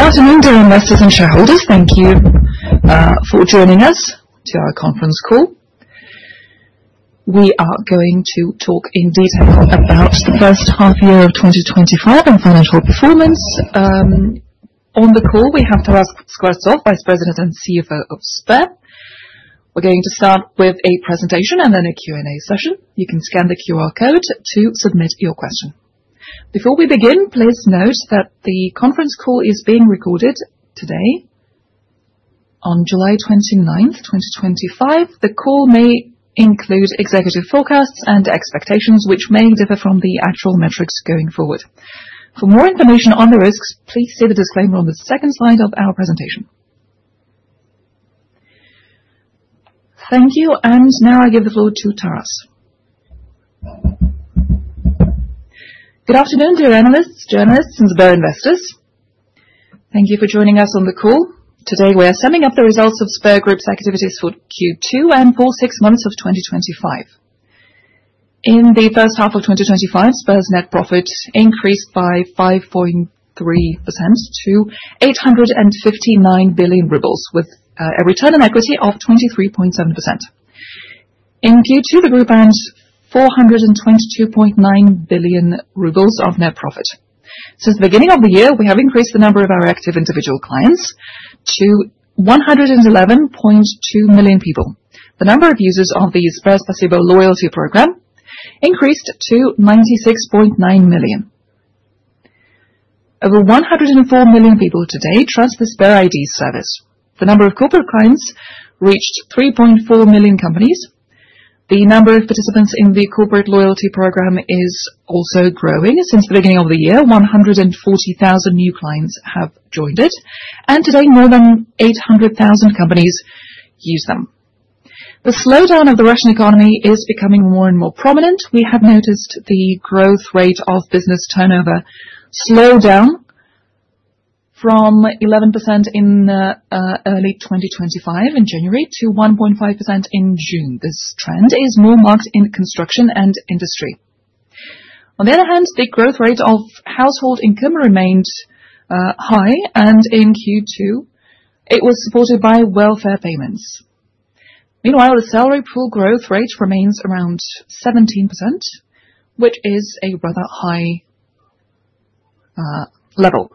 Good afternoon to our investors and shareholders. Thank you for joining us to our conference call. We are going to talk in detail about the first half year of 2025 and financial performance. On the call, we have Taras Skvortsov, Vice President and CFO of Sber. We're going to start with a presentation and then a Q&A session. You can scan the QR code to submit your question. Before we begin, please note that the conference call is being recorded today on July 29, 2025. The call may include executive forecasts and expectations, which may differ from the actual metrics going forward. For more information on the risks, please see the disclaimer on the second slide of our presentation. Thank you, and now I give the floor to Taras. Good afternoon, dear analysts, journalists, and Sber investors. Thank you for joining us on the call. Today, we are summing up the results of Sber Group's activities for Q2 and for six months of 2025. In the first half of 2025, Sber's net profit increased by 5.3% to 859 billion rubles, with a return on equity of 23.7%. In Q2, the group earned 422.9 billion rubles of net profit. Since the beginning of the year, we have increased the number of our active individual clients to 111.2 million people. The number of users of the Sber Passivo loyalty program increased to 96.9 million. Over 104 million people today trust the Sber ID service. The number of corporate clients reached 3.4 million companies. The number of participants in the corporate loyalty program is also growing since the beginning of the year. 140,000 new clients have joined it, and today more than 800,000 companies use them. The slowdown of the Russian economy is becoming more and more prominent. We have noticed the growth rate of business turnover slow down from 11% in early 2025 in January to 1.5% in June. This trend is more marked in construction and industry. On the other hand, the growth rate of household income remained high, and in Q2, it was supported by welfare payments. Meanwhile, the salary pool growth rate remains around 17%, which is a rather high level.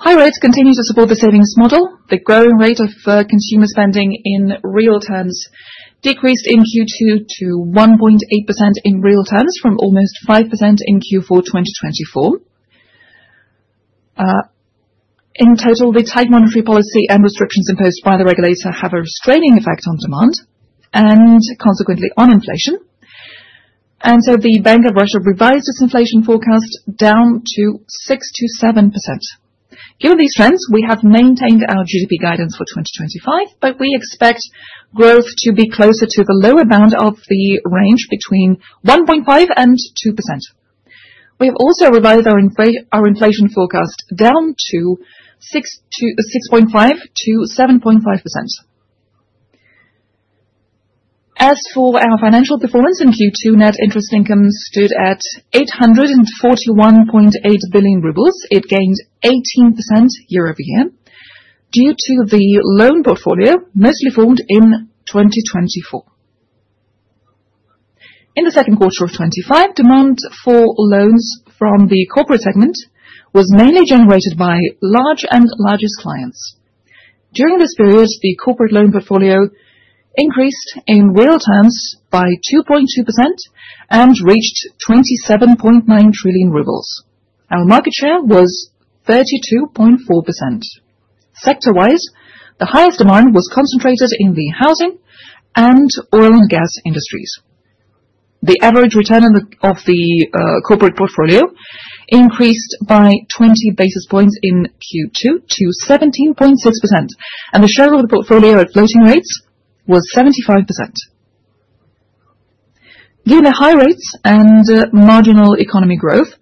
High rates continue to support the savings model. The growing rate of consumer spending in real terms decreased in Q2 to 1.8% in real terms from almost 5% in Q4 2024. In total, the tight monetary policy and restrictions imposed by the regulator have a restraining effect on demand and consequently on inflation. The Bank of Russia revised its inflation forecast down to 6%-7%. Given these trends, we have maintained our GDP guidance for 2025, but we expect growth to be closer to the lower bound of the range between 1.5% and 2%. We have also revised our inflation forecast down to 6.5%-7.5%. As for our financial performance in Q2, net interest income stood at 841.8 billion rubles. It gained 18% year over year due to the loan portfolio mostly formed in 2024. In the second quarter of 2025, demand for loans from the corporate segment was mainly generated by large and largest clients. During this period, the corporate loan portfolio increased in real terms by 2.2% and reached 27.9 trillion. Our market share was 32.4%. Sector-wise, the highest demand was concentrated in the housing and oil and gas industries. The average return of the corporate portfolio increased by 20 basis points in Q2 to 17.6%, and the share of the portfolio at floating rates was 75%. Given the high rates and marginal economy growth,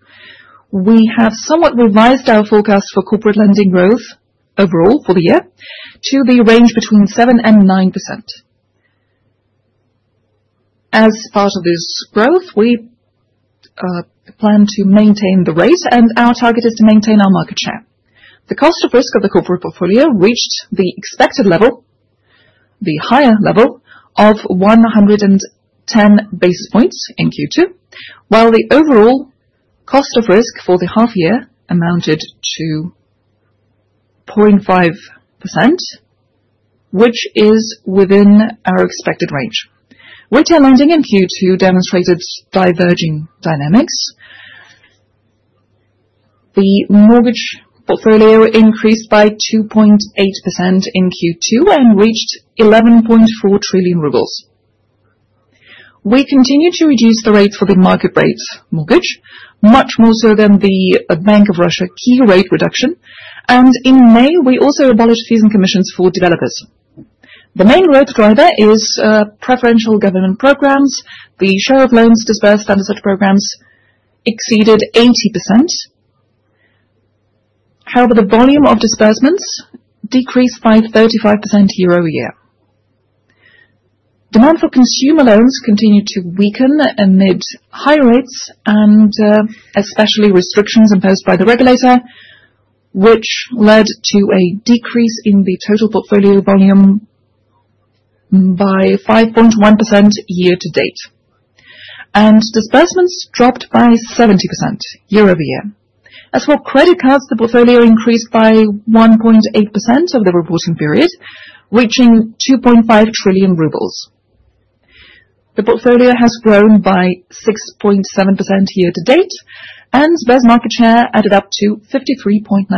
we have somewhat revised our forecast for corporate lending growth overall for the year to the range between 7% and 9%. As part of this growth, we plan to maintain the rate, and our target is to maintain our market share. The Cost of Risk of the corporate portfolio reached the expected level, the higher level of 110 basis points in Q2, while the overall Cost of Risk for the half year amounted to 0.5%, which is within our expected range. Retail lending in Q2 demonstrated diverging dynamics. The mortgage portfolio increased by 2.8% in Q2 and reached RUB 11.4 trillion. We continue to reduce the rates for the market-rated mortgage, much more so than the Bank of Russia Key Rate reduction. In May, we also abolished fees and commissions for developers. The main growth driver is preferential government programs. The share of loans disbursed under such programs exceeded 80%. However, the volume of disbursements decreased by 35% year over year. Demand for consumer loans continued to weaken amid high rates and especially restrictions imposed by the regulator, which led to a decrease in the total portfolio volume by 5.1% year to date, and disbursements dropped by 70% year over year. As for credit cards, the portfolio increased by 1.8% over the reporting period, reaching 2.5 trillion rubles. The portfolio has grown by 6.7% year to date, and Sber's market share added up to 53.9%.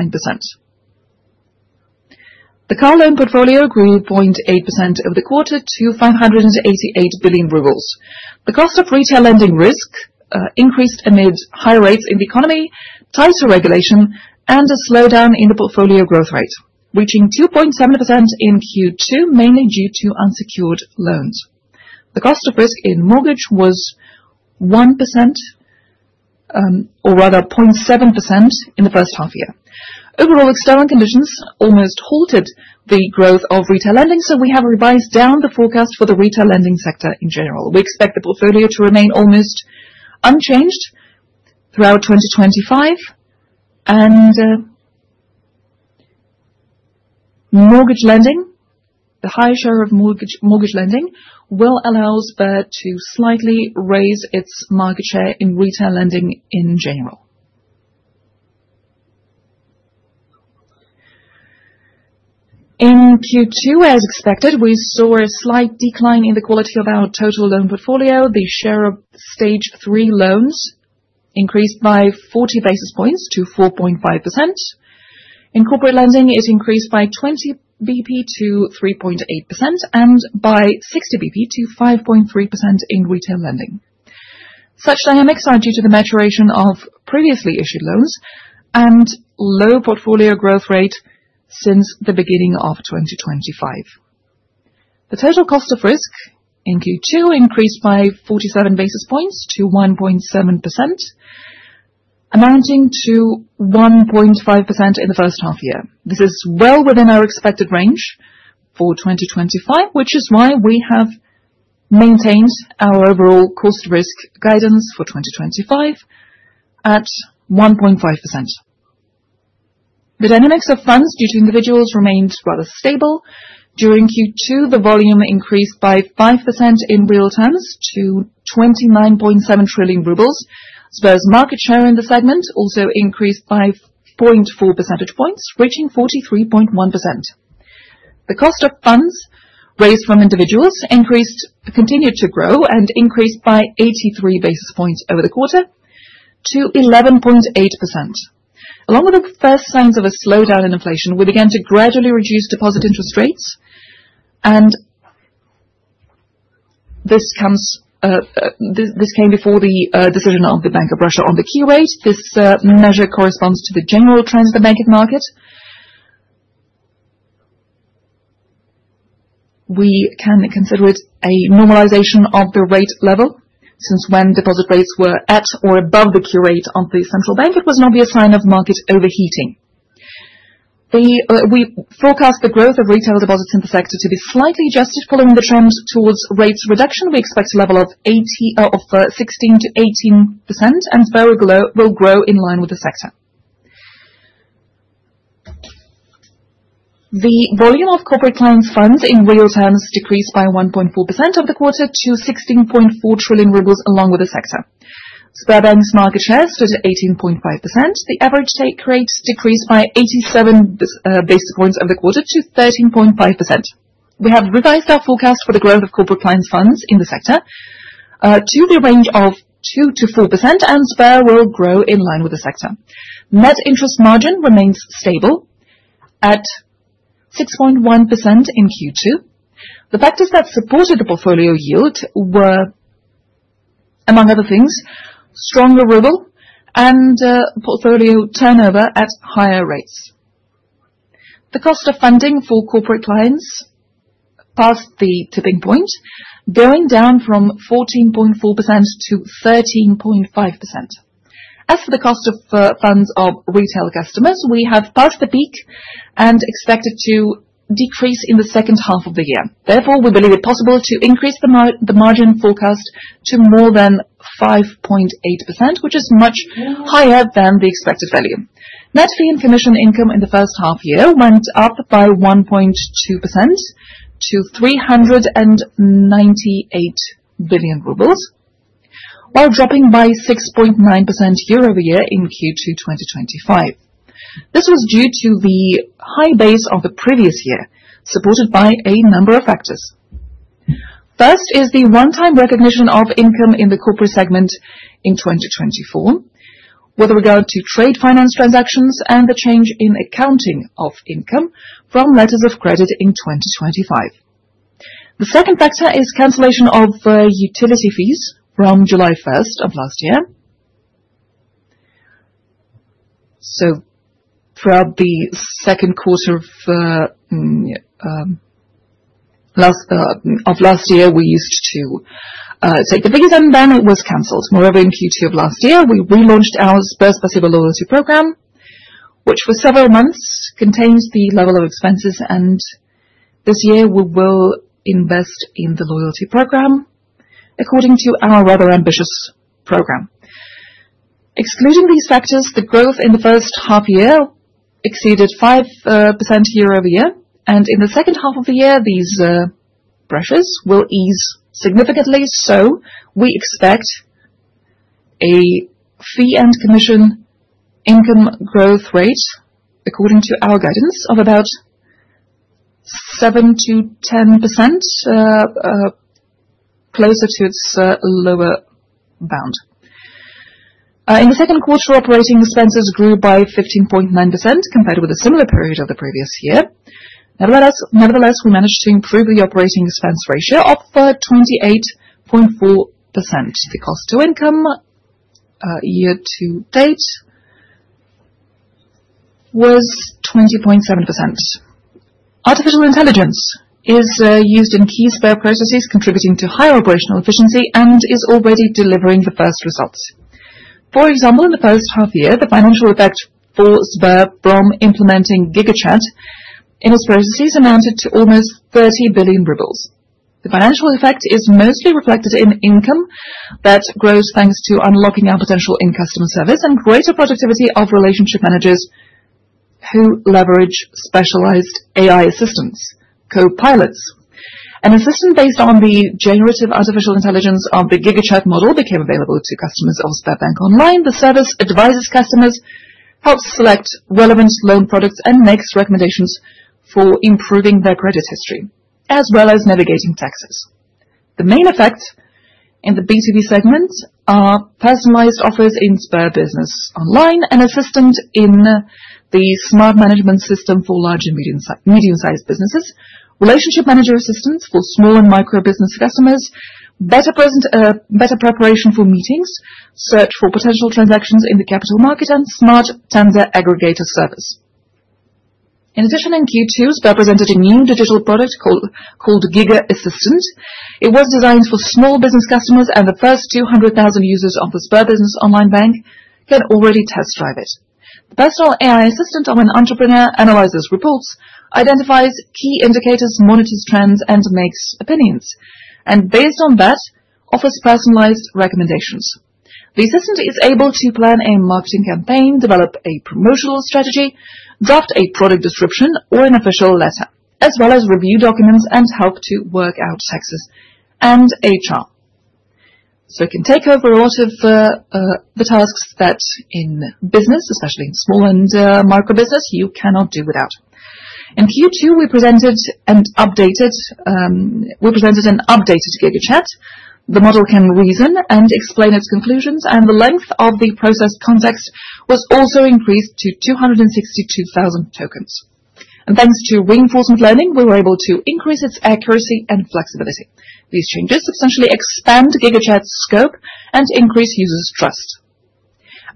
The car loan portfolio grew 0.8% over the quarter to 588 billion rubles. The cost of retail lending risk increased amid high rates in the economy, tighter regulation, and a slowdown in the portfolio growth rate, reaching 2.7% in Q2, mainly due to unsecured loans. The Cost of Risk in mortgage was 1%. Or rather 0.7% in the first half year. Overall external conditions almost halted the growth of retail lending, so we have revised down the forecast for the retail lending sector in general. We expect the portfolio to remain almost unchanged throughout 2025. Mortgage lending, the high share of mortgage lending, will allow Sber to slightly raise its market share in retail lending in general. In Q2, as expected, we saw a slight decline in the quality of our total loan portfolio. The share of Stage Three Loans increased by 40 basis points to 4.5%. In corporate lending, it increased by 20 basis points to 3.8% and by 60 basis points to 5.3% in retail lending. Such dynamics are due to the maturation of previously issued loans and low portfolio growth rate since the beginning of 2025. The total Cost of Risk in Q2 increased by 47 basis points to 1.7%, amounting to 1.5% in the first half year. This is well within our expected range for 2025, which is why we have maintained our overall cost risk guidance for 2025 at 1.5%. The dynamics of funds due to individuals remained rather stable. During Q2, the volume increased by 5% in real terms to 29.7 trillion rubles. Sber's market share in the segment also increased by 0.4 percentage points, reaching 43.1%. The cost of funds raised from individuals continued to grow and increased by 83 basis points over the quarter to 11.8%. Along with the first signs of a slowdown in inflation, we began to gradually reduce deposit interest rates. This came before the decision of the Bank of Russia on the Key Rate. This measure corresponds to the general trends of the banking market. We can consider it a normalization of the rate level since when deposit rates were at or above the Key Rate of the central bank, it was not a sign of market overheating. We forecast the growth of retail deposits in the sector to be slightly adjusted following the trend towards rates reduction. We expect a level of 16%-18%, and Sber will grow in line with the sector. The volume of corporate clients' funds in real terms decreased by 1.4% over the quarter to 16.4 trillion rubles along with the sector. Sberbank's market share stood at 18.5%. The average take rate decreased by 87 basis points over the quarter to 13.5%. We have revised our forecast for the growth of corporate clients' funds in the sector to the range of 2%-4%, and Sber will grow in line with the sector. Net Interest Margin remains stable at 6.1% in Q2. The factors that supported the portfolio yield were, among other things, stronger ruble and portfolio turnover at higher rates. The cost of funding for corporate clients passed the tipping point, going down from 14.4%-13.5%. As for the cost of funds of retail customers, we have passed the peak and expect it to decrease in the second half of the year. Therefore, we believe it's possible to increase the margin forecast to more than 5.8%, which is much higher than the expected value. Net fee and commission income in the first half year went up by 1.2% to 398 billion rubles, while dropping by 6.9% year over year in Q2 2025. This was due to the high base of the previous year, supported by a number of factors. First is the one-time recognition of income in the corporate segment in 2024 with regard to trade finance transactions and the change in accounting of income from letters of credit in 2025. The second factor is cancellation of utility fees from July 1st of last year. Throughout the second quarter of last year, we used to take the figures, and then it was cancelled. Moreover, in Q2 of last year, we relaunched our Sber Passivo loyalty program, which for several months contained the level of expenses, and this year we will invest in the loyalty program according to our rather ambitious program. Excluding these factors, the growth in the first half year exceeded 5% year over year, and in the second half of the year, these pressures will ease significantly. We expect a fee and commission income growth rate, according to our guidance, of about 7%-10%, closer to its lower bound. In the second quarter, operating expenses grew by 15.9% compared with a similar period of the previous year. Nevertheless, we managed to improve the operating expense ratio up by 28.4%. The cost-to-income year to date was 20.7%. Artificial intelligence is used in key Sber processes, contributing to higher operational efficiency and is already delivering the first results. For example, in the first half year, the financial effect for Sber from implementing GigaChat in its processes amounted to almost 30 billion rubles. The financial effect is mostly reflected in income that grows thanks to unlocking our potential in customer service and greater productivity of relationship managers who leverage specialized AI assistants, co-pilots. An assistant based on the generative artificial intelligence of the GigaChat model became available to customers of Sberbank Online. The service advises customers, helps select relevant loan products, and makes recommendations for improving their credit history, as well as navigating taxes. The main effects in the B2B segment are personalized offers in Sber Business Online and assistant in the smart management system for large and medium-sized businesses, relationship manager assistance for small and micro business customers, better preparation for meetings, search for potential transactions in the capital market, and smart tender aggregator service. In addition, in Q2, Sber presented a new digital product called Giga Assistant. It was designed for small business customers, and the first 200,000 users of the Sber Business Online Bank can already test drive it. The personal AI assistant of an entrepreneur analyzes reports, identifies key indicators, monitors trends, and makes opinions, and based on that, offers personalized recommendations. The assistant is able to plan a marketing campaign, develop a promotional strategy, draft a product description or an official letter, as well as review documents and help to work out taxes and HR. It can take over a lot of the tasks that in business, especially in small and micro business, you cannot do without. In Q2, we presented an updated GigaChat. The model can reason and explain its conclusions, and the length of the process context was also increased to 262,000 tokens. Thanks to reinforcement learning, we were able to increase its accuracy and flexibility. These changes substantially expand GigaChat's scope and increase users' trust.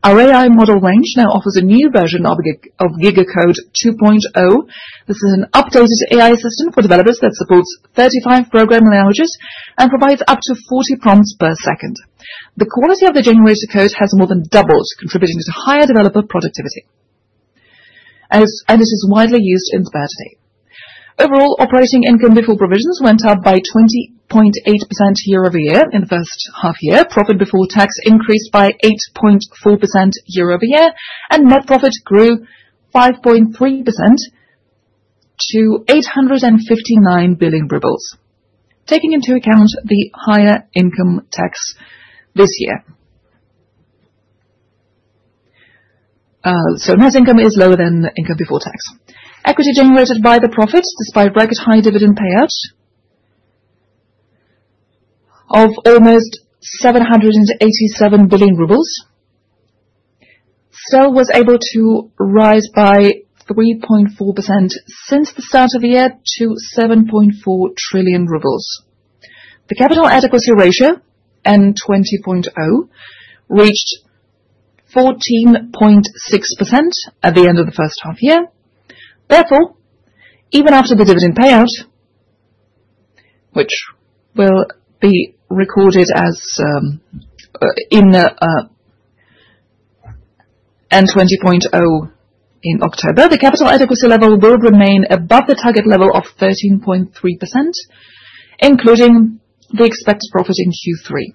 Our AI model range now offers a new version of GigaCode 2.0. This is an updated AI assistant for developers that supports 35 program languages and provides up to 40 prompts per second. The quality of the generated code has more than doubled, contributing to higher developer productivity. It is widely used in Sber today. Overall, operating income before provisions went up by 20.8% year over year in the first half year. Profit before tax increased by 8.4% year-over-year, and net profit grew 5.3%. To 859 billion rubles, taking into account the higher income tax this year. Net income is lower than income before tax. Equity generated by the profit, despite record high dividend payout of almost 787 billion rubles, still was able to rise by 3.4% since the start of the year to 7.4 trillion rubles. The Capital Adequacy Ratio end 20.0 reached 14.6% at the end of the first half year. Therefore, even after the dividend payout, which will be recorded as end 20.0 in October, the capital adequacy level will remain above the target level of 13.3%, including the expected profit in Q3.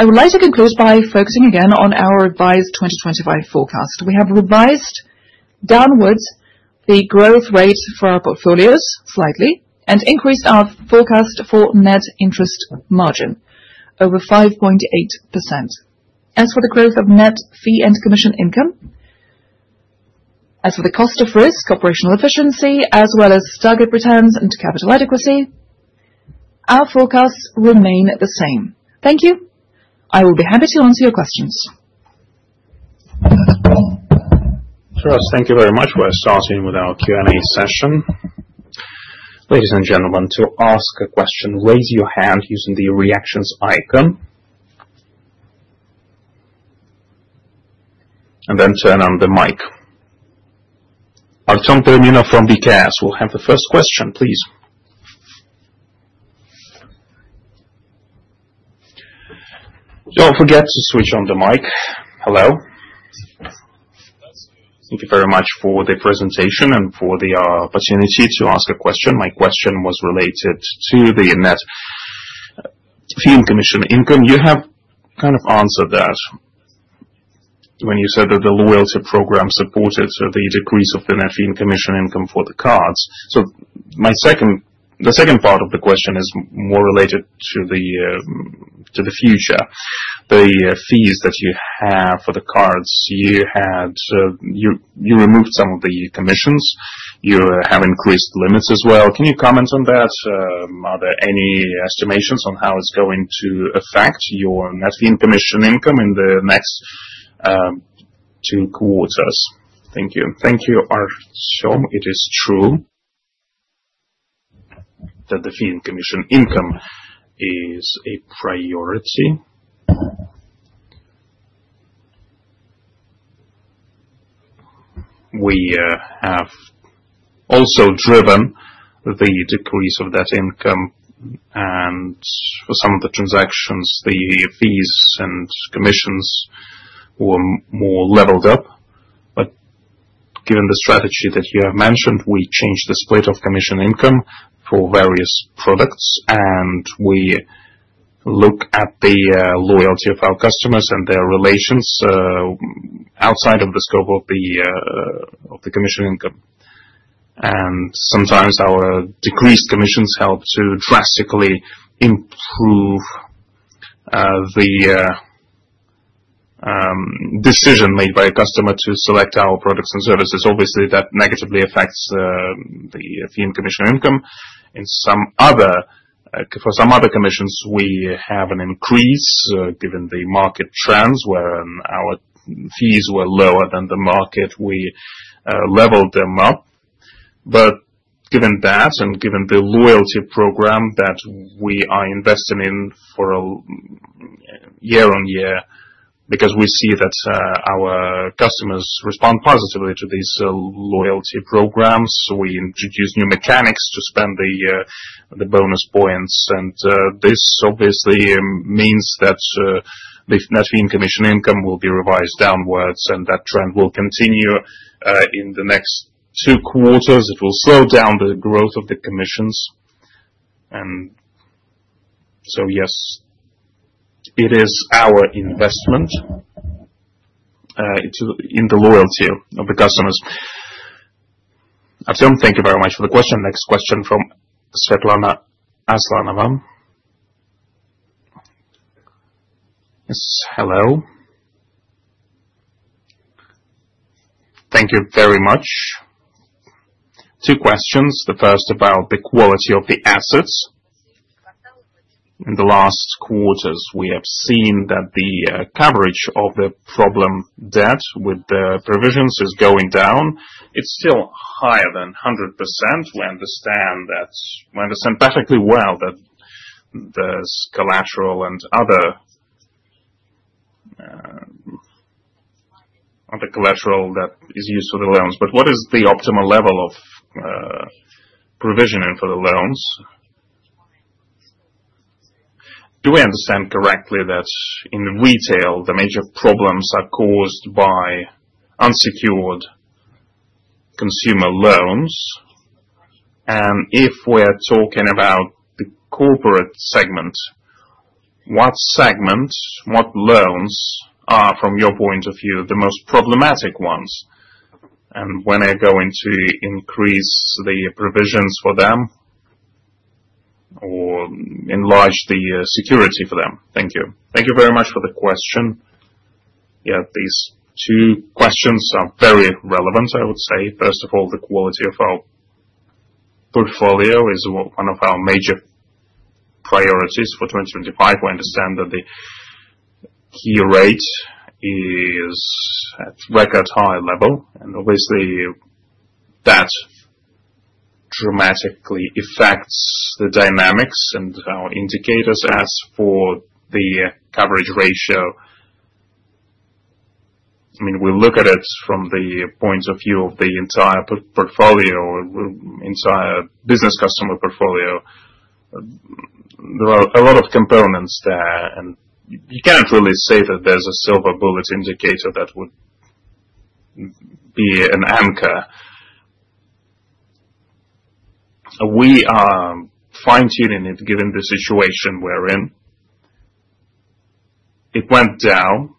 I would like to conclude by focusing again on our revised 2025 forecast. We have revised downwards the growth rate for our portfolios slightly and increased our forecast for Net Interest Margin over 5.8%. As for the growth of net fee and commission income, as for the Cost of Risk, operational efficiency, as well as target returns and capital adequacy, our forecasts remain the same. Thank you. I will be happy to answer your questions. First, thank you very much for starting with our Q&A session. Ladies and gentlemen, to ask a question, raise your hand using the reactions icon and then turn on the mic. Artem Perminov from BKS will have the first question, please. Do not forget to switch on the mic. Hello. Thank you very much for the presentation and for the opportunity to ask a question. My question was related to the net fee and commission income. You have kind of answered that when you said that the loyalty program supported the decrease of the net fee and commission income for the cards. The second part of the question is more related to the future. The fees that you have for the cards, you had, you removed some of the commissions, you have increased limits as well. Can you comment on that? Are there any estimations on how it is going to affect your net fee and commission income in the next two quarters? Thank you. Thank you, Artem. It is true that the fee and commission income is a priority. We have also driven the decrease of that income, and for some of the transactions, the fees and commissions were more leveled up. Given the strategy that you have mentioned, we changed the split of commission income for various products, and we look at the loyalty of our customers and their relations outside of the scope of the commission income. Sometimes our decreased commissions help to drastically improve the. Decision made by a customer to select our products and services. Obviously, that negatively affects the fee and commission income. For some other commissions, we have an increase given the market trends, wherein our fees were lower than the market. We leveled them up. Given that and given the loyalty program that we are investing in year on year, because we see that our customers respond positively to these loyalty programs, we introduced new mechanics to spend the bonus points. This obviously means that the net fee and commission income will be revised downwards, and that trend will continue in the next two quarters. It will slow down the growth of the commissions. Yes, it is our investment in the loyalty of the customers. Artem, thank you very much for the question. Next question from Svetlana Aslanova. Yes, hello. Thank you very much. Two questions. The first about the quality of the assets. In the last quarters, we have seen that the coverage of the problem debt with the provisions is going down. It is still higher than 100%. We understand that. We understand perfectly well that there is collateral and other collateral that is used for the loans. What is the optimal level of provisioning for the loans? Do we understand correctly that in retail, the major problems are caused by unsecured consumer loans? If we are talking about the corporate segment, what segments, what loans are, from your point of view, the most problematic ones? When are you going to increase the provisions for them or enlarge the security for them? Thank you. Thank you very much for the question. Yeah, these two questions are very relevant, I would say. First of all, the quality of our portfolio is one of our major priorities for 2025. We understand that the Key Rate is at record high level. Obviously, that dramatically affects the dynamics and our indicators as for the coverage ratio. I mean, we look at it from the point of view of the entire portfolio, entire business customer portfolio. There are a lot of components there, and you cannot really say that there is a silver bullet indicator that would be an anchor. We are fine-tuning it given the situation we are in. It went down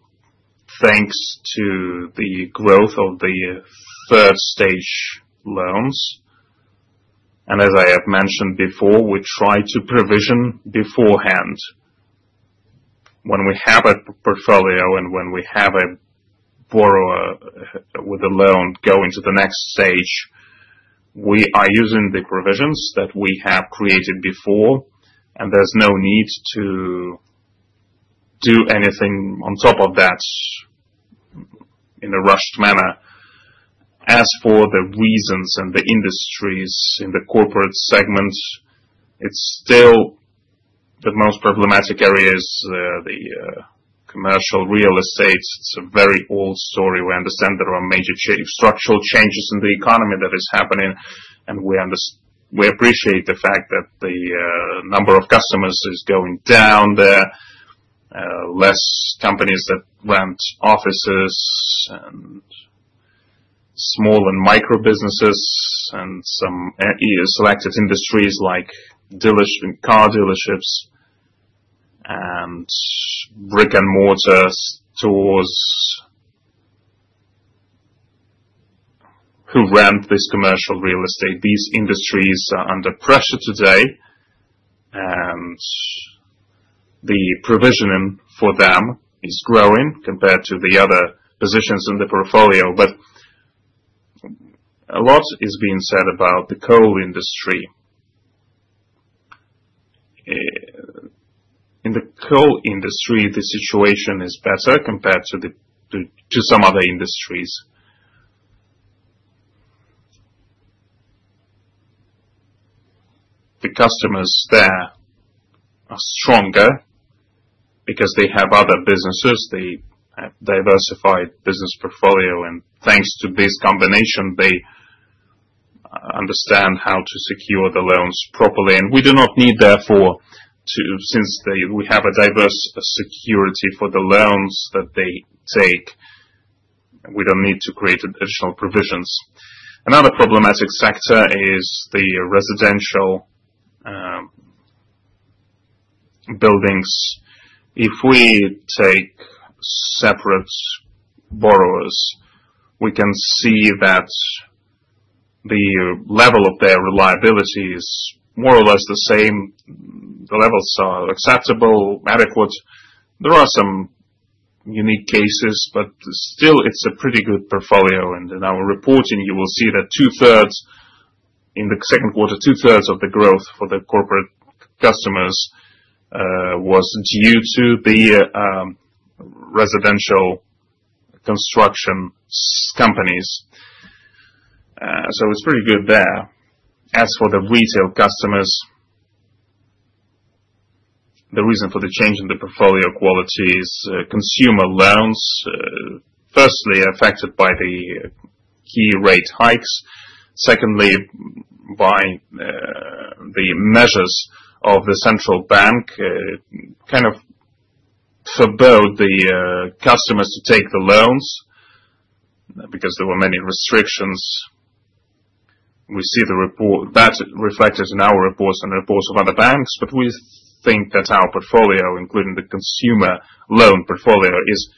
thanks to the growth of the third-stage loans. As I have mentioned before, we try to provision beforehand. When we have a portfolio and when we have a borrower with a loan go into the next stage. We are using the provisions that we have created before, and there's no need to do anything on top of that in a rushed manner. As for the reasons and the industries in the corporate segment, it's still the most problematic areas, the commercial real estate. It's a very old story. We understand there are major structural changes in the economy that are happening, and we appreciate the fact that the number of customers is going down. Less companies that rent offices, and small and micro businesses, and some selected industries like car dealerships and brick-and-mortar stores who rent this commercial real estate. These industries are under pressure today, and the provisioning for them is growing compared to the other positions in the portfolio. A lot is being said about the coal industry. In the coal industry, the situation is better compared to some other industries. The customers there are stronger because they have other businesses. They have diversified business portfolio, and thanks to this combination, they understand how to secure the loans properly. We do not need, therefore, since we have a diverse security for the loans that they take, we don't need to create additional provisions. Another problematic sector is the residential buildings. If we take separate borrowers, we can see that the level of their reliability is more or less the same. The levels are acceptable, adequate. There are some unique cases, but still, it's a pretty good portfolio. In our reporting, you will see that in the second quarter, two-thirds of the growth for the corporate customers was due to the residential construction companies. It's pretty good there. As for the retail customers, the reason for the change in the portfolio quality is consumer loans. Firstly, affected by the Key Rate hikes. Secondly, by the measures of the central bank, kind of forbade the customers to take the loans because there were many restrictions. We see that reflected in our reports and reports of other banks. We think that our portfolio, including the consumer loan portfolio, is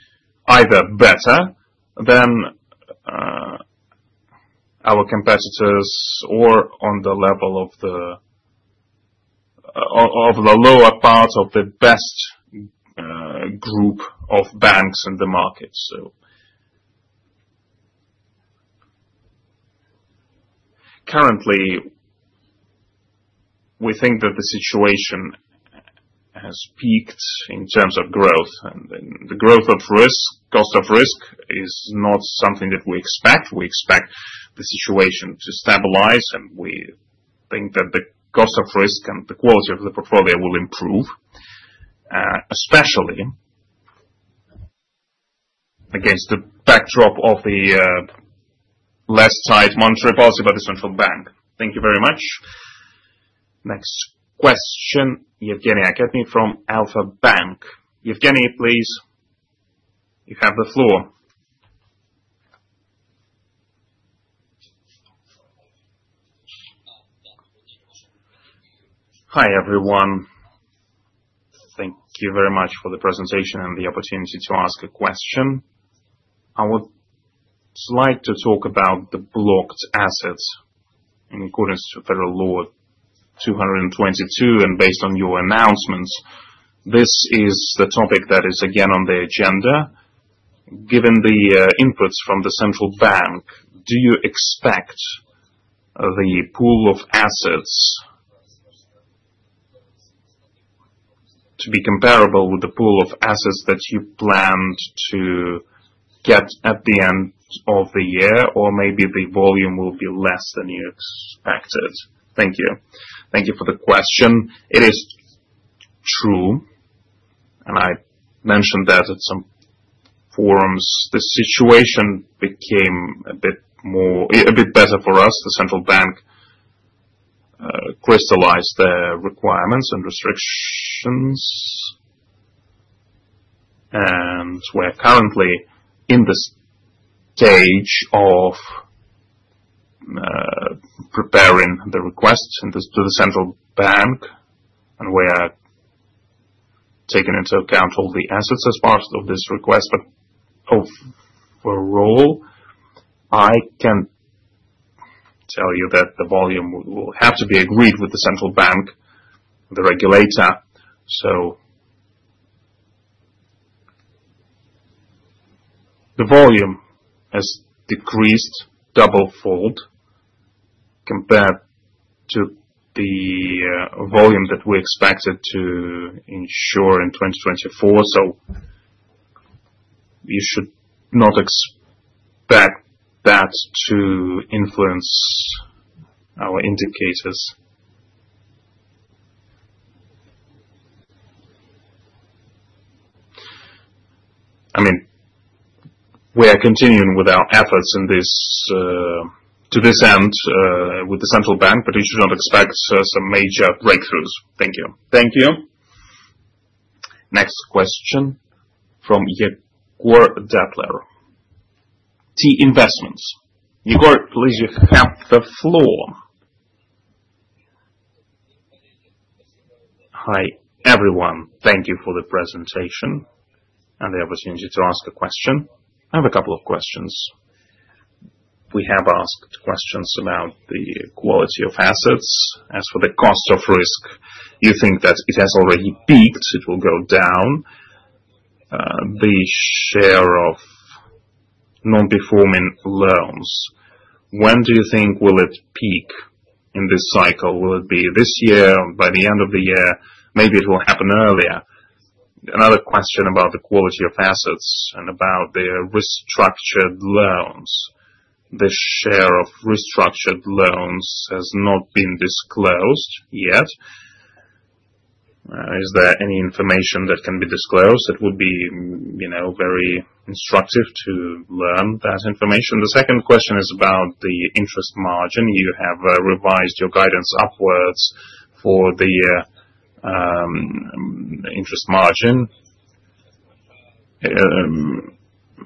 either better than our competitors or on the level of the lower part of the best group of banks in the market. Currently, we think that the situation has peaked in terms of growth, and the growth of risk, Cost of Risk, is not something that we expect. We expect the situation to stabilize, and we think that the Cost of Risk and the quality of the portfolio will improve. Especially against the backdrop of the left-side monetary policy by the central bank. Thank you very much. Next question, Evgeny Akhmetov from Alfa-Bank. Evgeny, please. You have the floor. Hi, everyone. Thank you very much for the presentation and the opportunity to ask a question. I would like to talk about the blocked assets. In accordance to Federal Law 222 and based on your announcements, this is the topic that is again on the agenda. Given the inputs from the central bank, do you expect the pool of assets to be comparable with the pool of assets that you planned to get at the end of the year, or maybe the volume will be less than you expected? Thank you. Thank you for the question. It is true, and I mentioned that at some forums. The situation became a bit better for us. The central bank crystallized the requirements and restrictions, and we're currently in the stage of preparing the request to the central bank. We are taking into account all the assets as part of this request. But overall, I can tell you that the volume will have to be agreed with the central bank, the regulator. The volume has decreased double-fold compared to the volume that we expected to ensure in 2024. You should not expect that to influence our indicators. I mean, we are continuing with our efforts to this end with the central bank, but you should not expect some major breakthroughs. Thank you. Thank you. Next question from Yegor Dettler, T Investments. Yegor, please, you have the floor. Hi, everyone. Thank you for the presentation and the opportunity to ask a question. I have a couple of questions. We have asked questions about the quality of assets. As for the Cost of Risk, you think that it has already peaked. It will go down. The share of Non-Performing Loans, when do you think will it peak in this cycle? Will it be this year, by the end of the year? Maybe it will happen earlier. Another question about the quality of assets and about the restructured loans. The share of restructured loans has not been disclosed yet. Is there any information that can be disclosed? It would be very instructive to learn that information. The second question is about the interest margin. You have revised your guidance upwards for the interest margin.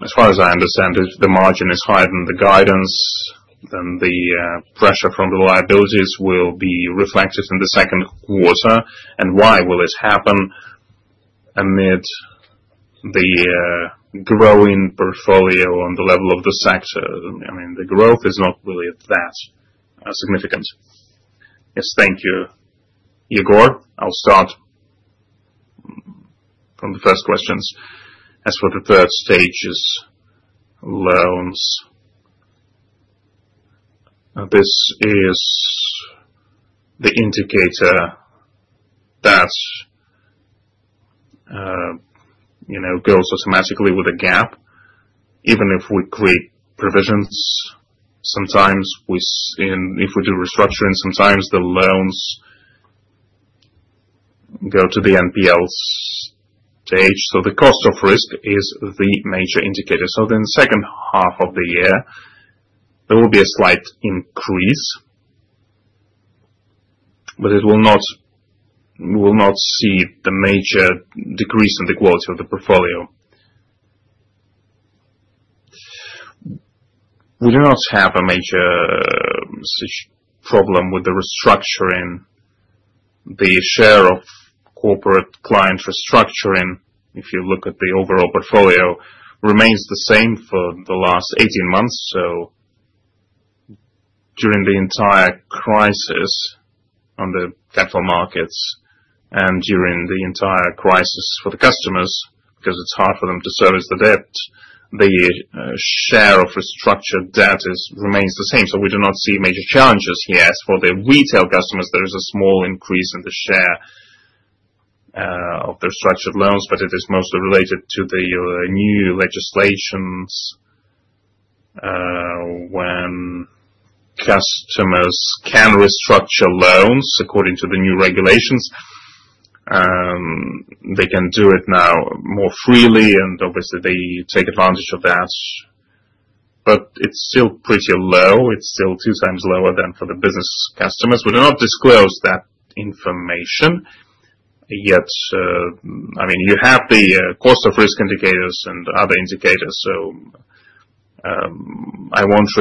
As far as I understand, if the margin is higher than the guidance, then the pressure from the liabilities will be reflected in the second quarter. Why will this happen amid the. Growing portfolio on the level of the sector? I mean, the growth is not really of that significance. Yes, thank you. Yegor, I'll start. From the first questions. As for the Stage Three Loans, this is the indicator that goes automatically with a gap. Even if we create provisions, sometimes if we do restructuring, sometimes the loans go to the NPLs stage. So the Cost of Risk is the major indicator. In the second half of the year, there will be a slight increase, but we will not see a major decrease in the quality of the portfolio. We do not have a major problem with the restructuring. The share of corporate client restructuring, if you look at the overall portfolio, remains the same for the last 18 months. During the entire crisis on the capital markets and during the entire crisis for the customers, because it's hard for them to service the debt, the share of restructured debt remains the same. We do not see major challenges here. As for the retail customers, there is a small increase in the share of the restructured loans, but it is mostly related to the new legislations. When customers can restructure loans according to the new regulations, they can do it now more freely, and obviously, they take advantage of that. It's still pretty low. It's still two times lower than for the business customers. We do not disclose that information yet, I mean, you have the Cost of Risk indicators and other indicators. I won't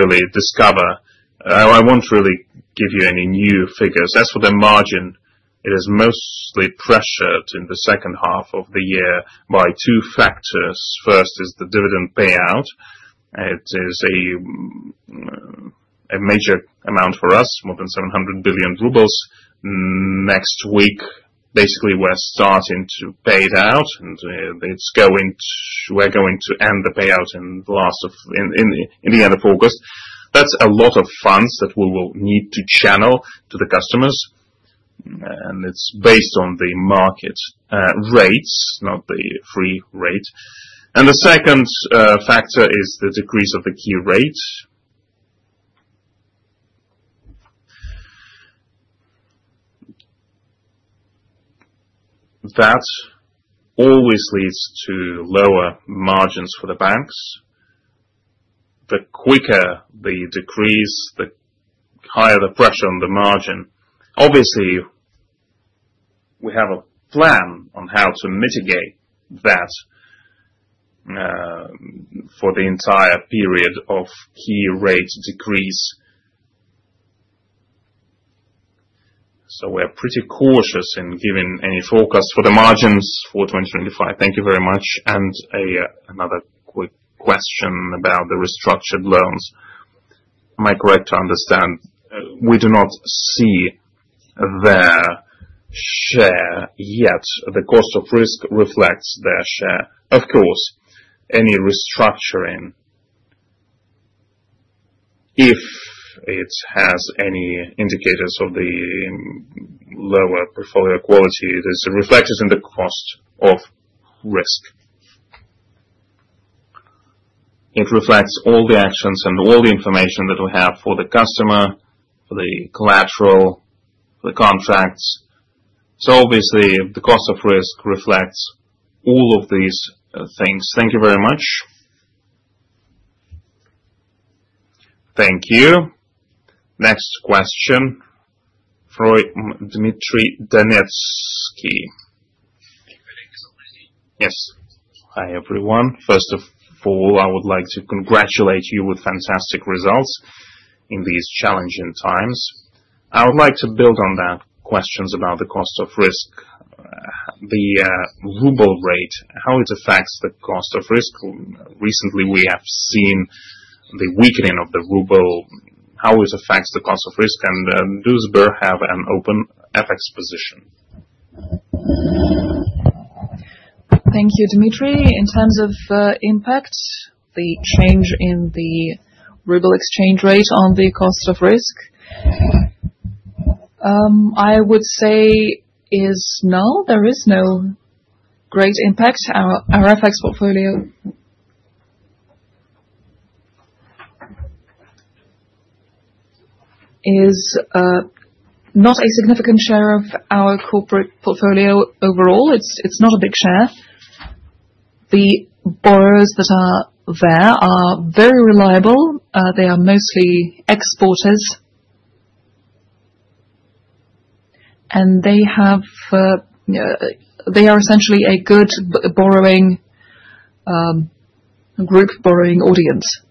really give you any new figures. As for the margin, it is mostly pressured in the second half of the year by two factors. First is the dividend payout. It is a major amount for us, more than 700 billion rubles. Next week, basically, we're starting to pay it out, and we're going to end the payout in the end of August. That's a lot of funds that we will need to channel to the customers, and it's based on the market rates, not the free rate. The second factor is the decrease of the Key Rate. That always leads to lower margins for the banks. The quicker the decrease, the higher the pressure on the margin. Obviously, we have a plan on how to mitigate that for the entire period of Key Rate decrease. We're pretty cautious in giving any forecast for the margins for 2025. Thank you very much. Another quick question about the restructured loans. Am I correct to understand we do not see their share yet? The Cost of Risk reflects their share. Of course, any restructuring, if it has any indicators of the. Lower portfolio quality, it is reflected in the Cost of Risk. It reflects all the actions and all the information that we have for the customer, for the collateral, for the contracts. Obviously, the Cost of Risk reflects all of these things. Thank you very much. Thank you. Next question. For Dmitry Danilovsky. Yes. Hi, everyone. First of all, I would like to congratulate you with fantastic results in these challenging times. I would like to build on that, questions about the Cost of Risk. The ruble rate, how it affects the Cost of Risk. Recently, we have seen the weakening of the ruble, how it affects the Cost of Risk, and does the bank have an open FX position? Thank you, Dmitry. In terms of impact, the change in the ruble exchange rate on the Cost of Risk, I would say there is no, there is no great impact. Our FX portfolio is not a significant share of our corporate portfolio overall. It's not a big share. The borrowers that are there are very reliable. They are mostly exporters. They are essentially a good group borrowing audience.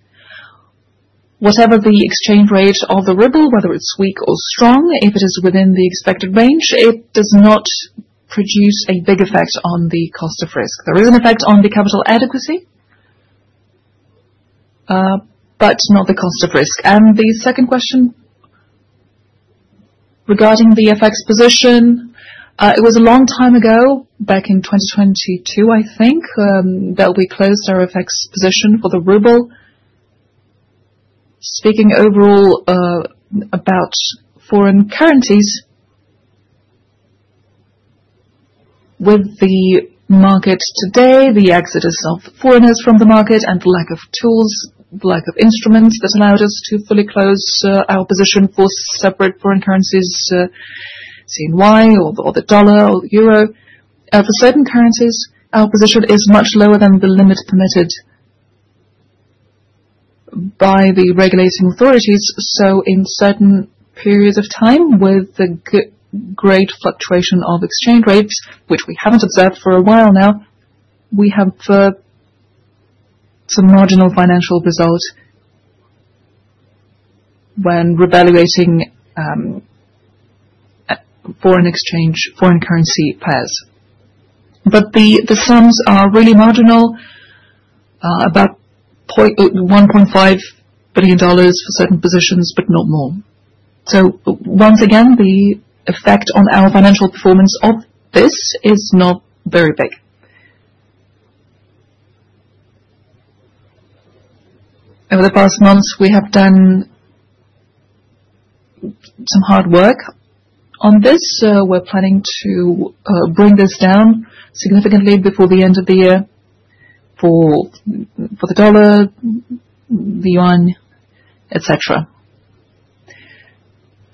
Whatever the exchange rate of the ruble, whether it's weak or strong, if it is within the expected range, it does not produce a big effect on the Cost of Risk. There is an effect on the capital adequacy, but not the Cost of Risk. The second question, regarding the FX position. It was a long time ago, back in 2022, I think, that we closed our FX position for the ruble. Speaking overall about foreign currencies, with the market today, the exodus of foreigners from the market, and the lack of tools, the lack of instruments that allowed us to fully close our position for separate foreign currencies, CNY or the dollar or the euro. For certain currencies, our position is much lower than the limit permitted by the regulating authorities. In certain periods of time, with the great fluctuation of exchange rates, which we haven't observed for a while now, we have some marginal financial results when revaluating foreign exchange, foreign currency pairs. The sums are really marginal, about $1.5 billion for certain positions, but not more. Once again, the effect on our financial performance of this is not very big. Over the past month, we have done some hard work on this. We're planning to bring this down significantly before the end of the year for the dollar, the yuan, etc.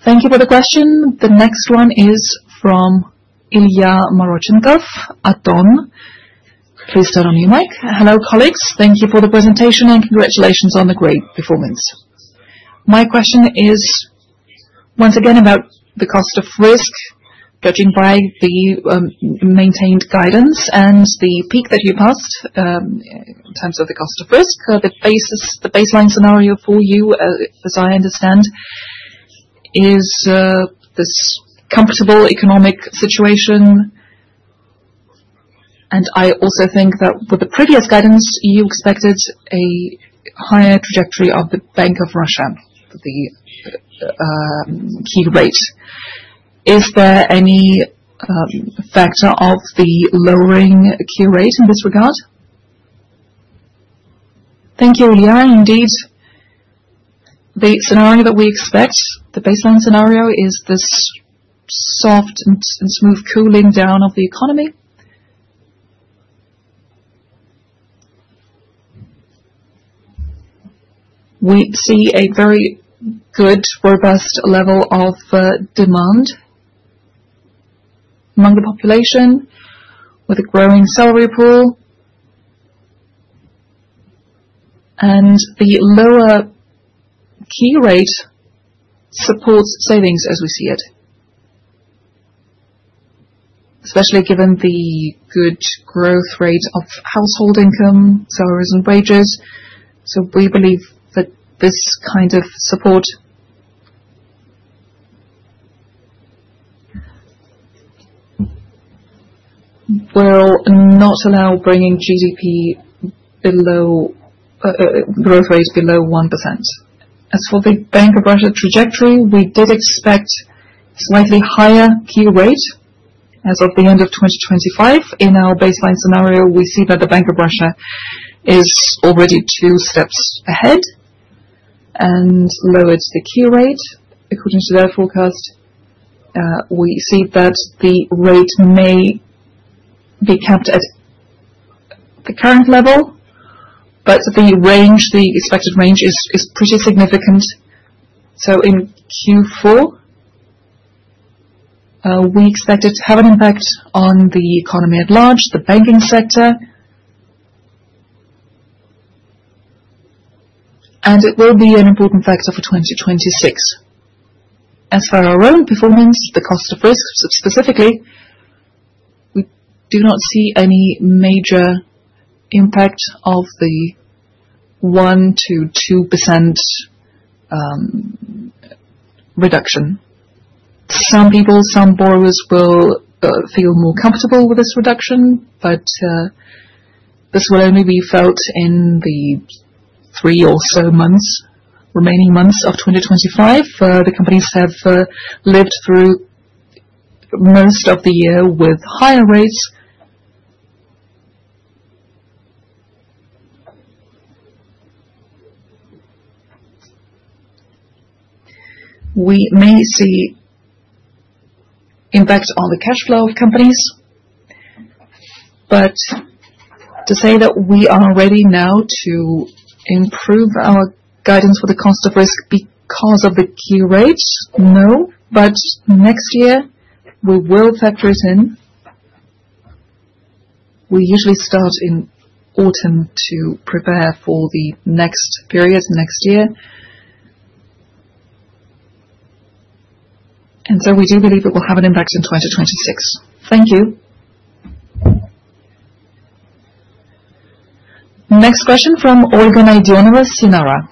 Thank you for the question. The next one is from Ilya Marchenko, ATON. Please turn on your mic. Hello, colleagues. Thank you for the presentation and congratulations on the great performance. My question is once again about the Cost of Risk. Judging by the maintained guidance and the peak that you passed in terms of the Cost of Risk, the baseline scenario for you, as I understand, is this comfortable economic situation. I also think that with the previous guidance, you expected a higher trajectory of the Bank of Russia, the Key Rate. Is there any factor of the lowering Key Rate in this regard? Thank you, Ilya. Indeed, the scenario that we expect, the baseline scenario, is this soft and smooth cooling down of the economy. We see a very good, robust level of demand among the population with a growing salary pool, and the lower Key Rate supports savings as we see it, especially given the good growth rate of household income, salaries, and wages. We believe that this kind of support will not allow bringing GDP growth rates below 1%. As for the Bank of Russia trajectory, we did expect slightly higher Key Rate as of the end of 2025. In our baseline scenario, we see that the Bank of Russia is already two steps ahead and lowered the Key Rate according to their forecast. We see that the rate may be kept at the current level, but the expected range is pretty significant. In Q4, we expect it to have an impact on the economy at large, the banking sector, and it will be an important factor for 2026. As for our own performance, the Cost of Risk specifically, we do not see any major impact of the 1%-2% reduction. Some people, some borrowers will feel more comfortable with this reduction, but this will only be felt in the three or so remaining months of 2025. The companies have lived through most of the year with higher rates. We may see impact on the cash flow of companies, but to say that we are ready now to improve our guidance for the Cost of Risk because of the Key Rates, no. Next year, we will factor it in. We usually start in autumn to prepare for the next period, next year, and we do believe it will have an impact in 2026. Thank you. Next question from Oregon Ideonova, Sinara.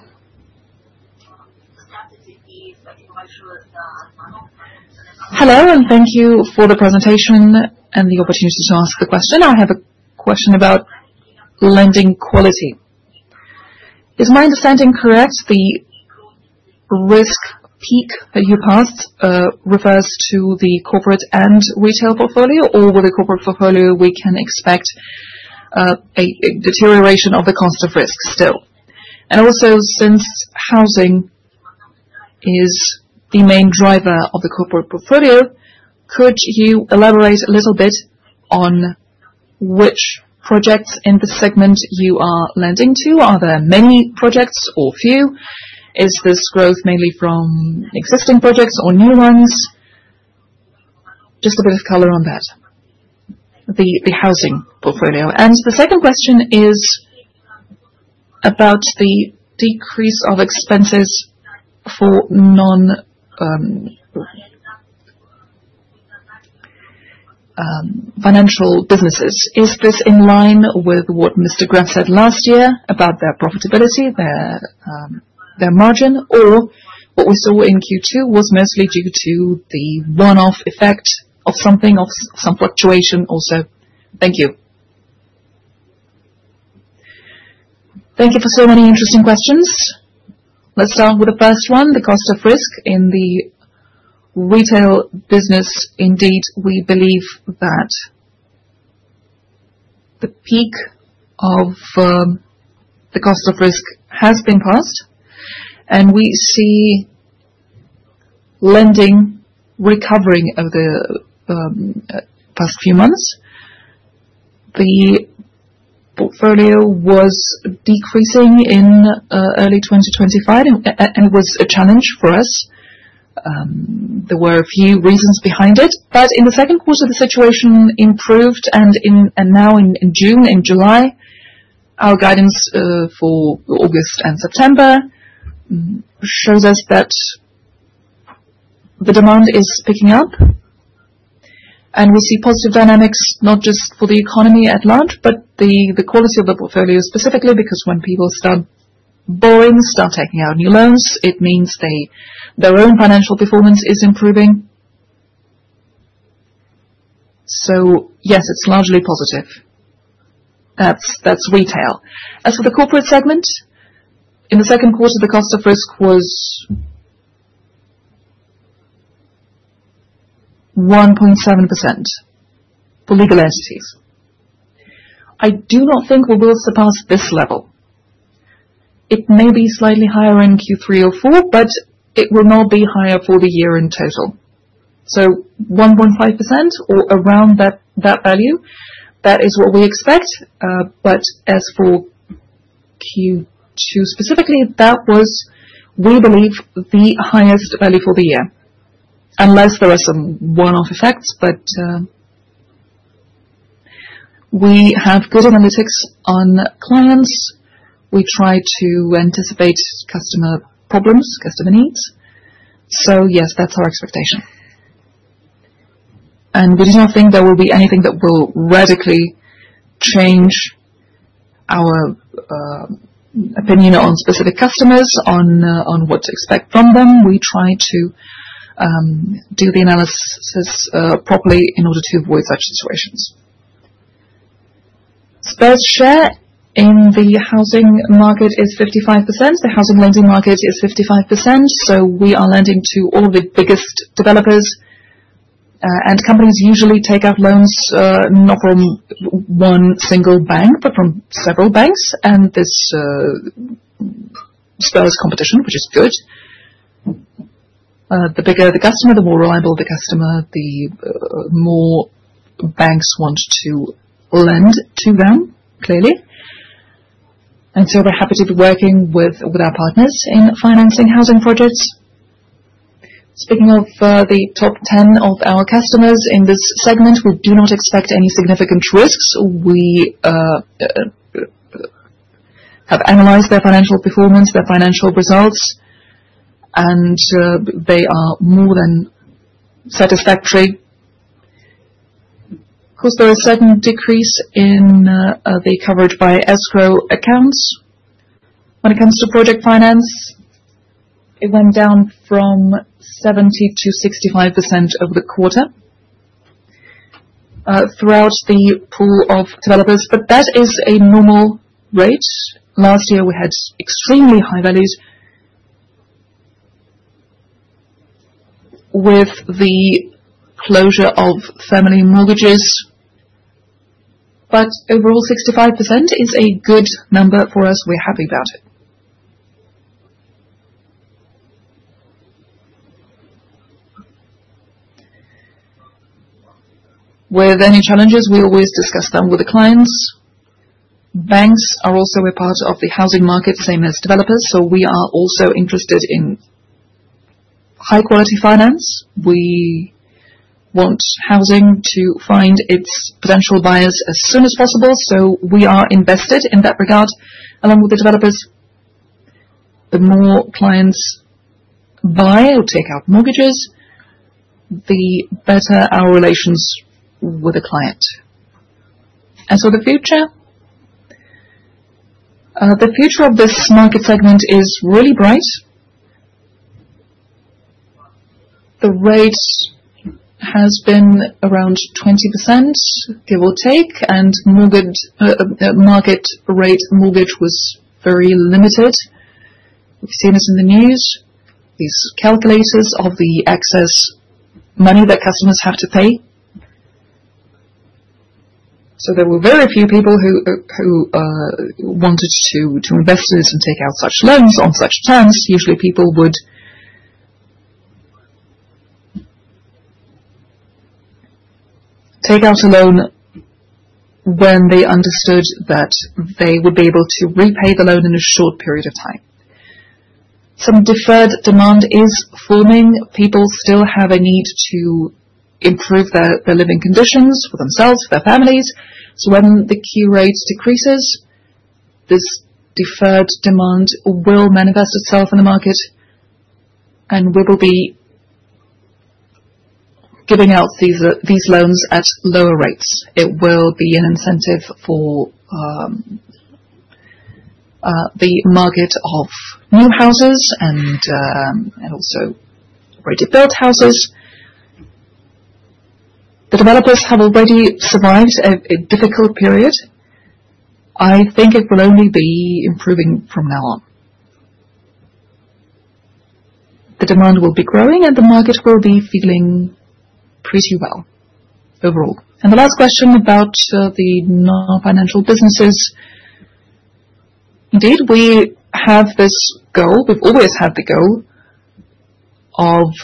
Hello, and thank you for the presentation and the opportunity to ask the question. I have a question about lending quality. Is my understanding correct, the risk peak that you passed refers to the corporate and retail portfolio, or with the corporate portfolio, we can expect a deterioration of the Cost of Risk still? And also, since housing. Is the main driver of the corporate portfolio, could you elaborate a little bit on which projects in the segment you are lending to? Are there many projects or few? Is this growth mainly from existing projects or new ones? Just a bit of color on that. The housing portfolio. The second question is about the decrease of expenses for financial businesses. Is this in line with what Mr. Gref said last year about their profitability, their margin, or what we saw in Q2 was mostly due to the one-off effect of something, of some fluctuation? Also, thank you. Thank you for so many interesting questions. Let's start with the first one, the Cost of Risk in the retail business. Indeed, we believe that the peak of the Cost of Risk has been passed, and we see lending recovering over the past few months. The portfolio was decreasing in early 2025, and it was a challenge for us. There were a few reasons behind it. In the second quarter, the situation improved, and now in June, in July, our guidance for August and September shows us that the demand is picking up. We see positive dynamics, not just for the economy at large, but the quality of the portfolio specifically, because when people start borrowing, start taking out new loans, it means their own financial performance is improving. Yes, it's largely positive. That's retail. As for the corporate segment, in the second quarter, the Cost of Risk was 1.7% for legal entities. I do not think we will surpass this level. It may be slightly higher in Q3 or Q4, but it will not be higher for the year in total. 1.5% or around that value, that is what we expect. As for Q2 specifically, that was, we believe, the highest value for the year, unless there are some one-off effects. We have good analytics on clients. We try to anticipate customer problems, customer needs. Yes, that's our expectation. We do not think there will be anything that will radically change our opinion on specific customers, on what to expect from them. We try to do the analysis properly in order to avoid such situations. Sber's share in the housing market is 55%. The housing lending market is 55%. We are lending to all the biggest developers. Companies usually take out loans not from one single bank, but from several banks. This spurs competition, which is good. The bigger the customer, the more reliable the customer, the more banks want to lend to them, clearly. We are happy to be working with our partners in financing housing projects. Speaking of the top 10 of our customers in this segment, we do not expect any significant risks. We have analyzed their financial performance, their financial results, and they are more than satisfactory. Of course, there is a sudden decrease in the coverage by escrow accounts when it comes to project finance. It went down from 70%-65% over the quarter throughout the pool of developers, but that is a normal rate. Last year, we had extremely high values with the closure of family mortgages, but overall, 65% is a good number for us. We are happy about it. With any challenges, we always discuss them with the clients. Banks are also a part of the housing market, same as developers, so we are also interested in high-quality finance. We want housing to find its potential buyers as soon as possible. We are invested in that regard along with the developers. The more clients buy or take out mortgages, the better our relations with the client. As for the future, the future of this market segment is really bright. The rate has been around 20%, give or take, and market rate mortgage was very limited. We have seen this in the news, these calculators of the excess money that customers have to pay. There were very few people who wanted to invest in this and take out such loans on such terms. Usually, people would take out a loan when they understood that they would be able to repay the loan in a short period of time. Some deferred demand is forming. People still have a need to improve their living conditions for themselves, for their families. When the Key Rate decreases, this deferred demand will manifest itself in the market, and we will be giving out these loans at lower rates. It will be an incentive for the market of new houses and also ready-built houses. The developers have already survived a difficult period. I think it will only be improving from now on. The demand will be growing, and the market will be feeling pretty well overall. The last question about the non-financial businesses. Indeed, we have this goal. We have always had the goal of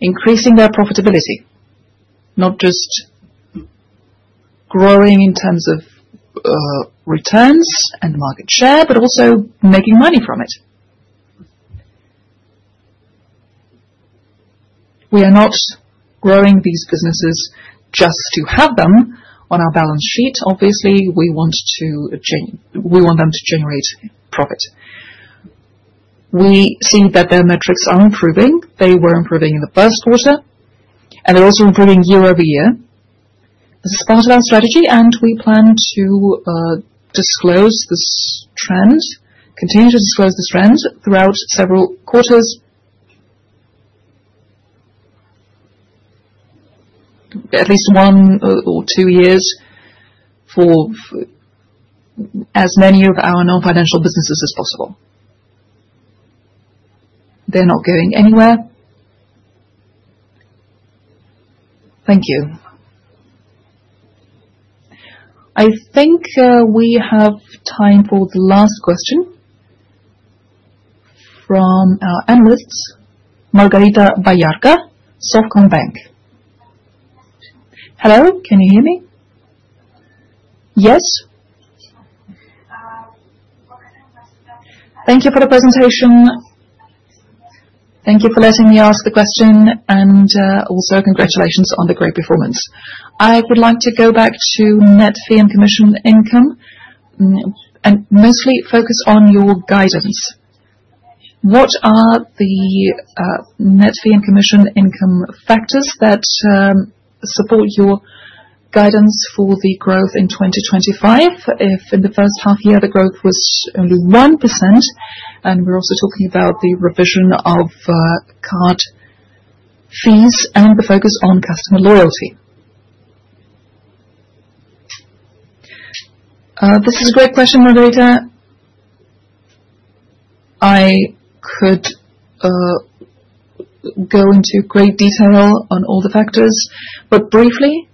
increasing their profitability, not just growing in terms of returns and market share, but also making money from it. We are not growing these businesses just to have them on our balance sheet. Obviously, we want them to generate profit. We see that their metrics are improving. They were improving in the first quarter, and they're also improving year over year. This is part of our strategy, and we plan to disclose this trend, continue to disclose this trend throughout several quarters, at least one or two years, for as many of our non-financial businesses as possible. They're not going anywhere. Thank you. I think we have time for the last question from our analyst, Margarita Bayarka, Sovcombank. Hello. Can you hear me? Yes. Thank you for the presentation. Thank you for letting me ask the question, and also congratulations on the great performance. I would like to go back to net fee and commission income and mostly focus on your guidance. What are the net fee and commission income factors that support your guidance for the growth in 2025? If in the first half year, the growth was only 1%, and we're also talking about the revision of card fees and the focus on customer loyalty. This is a great question, Margarita. I could go into great detail on all the factors, but briefly,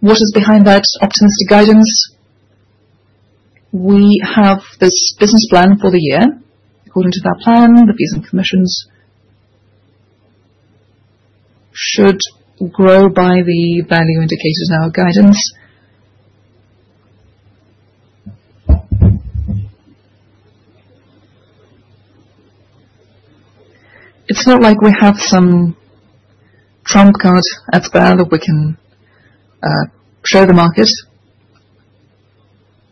what is behind that optimistic guidance? We have this business plan for the year. According to that plan, the fees and commissions should grow by the value indicators in our guidance. It's not like we have some trump card at the bar that we can show the market.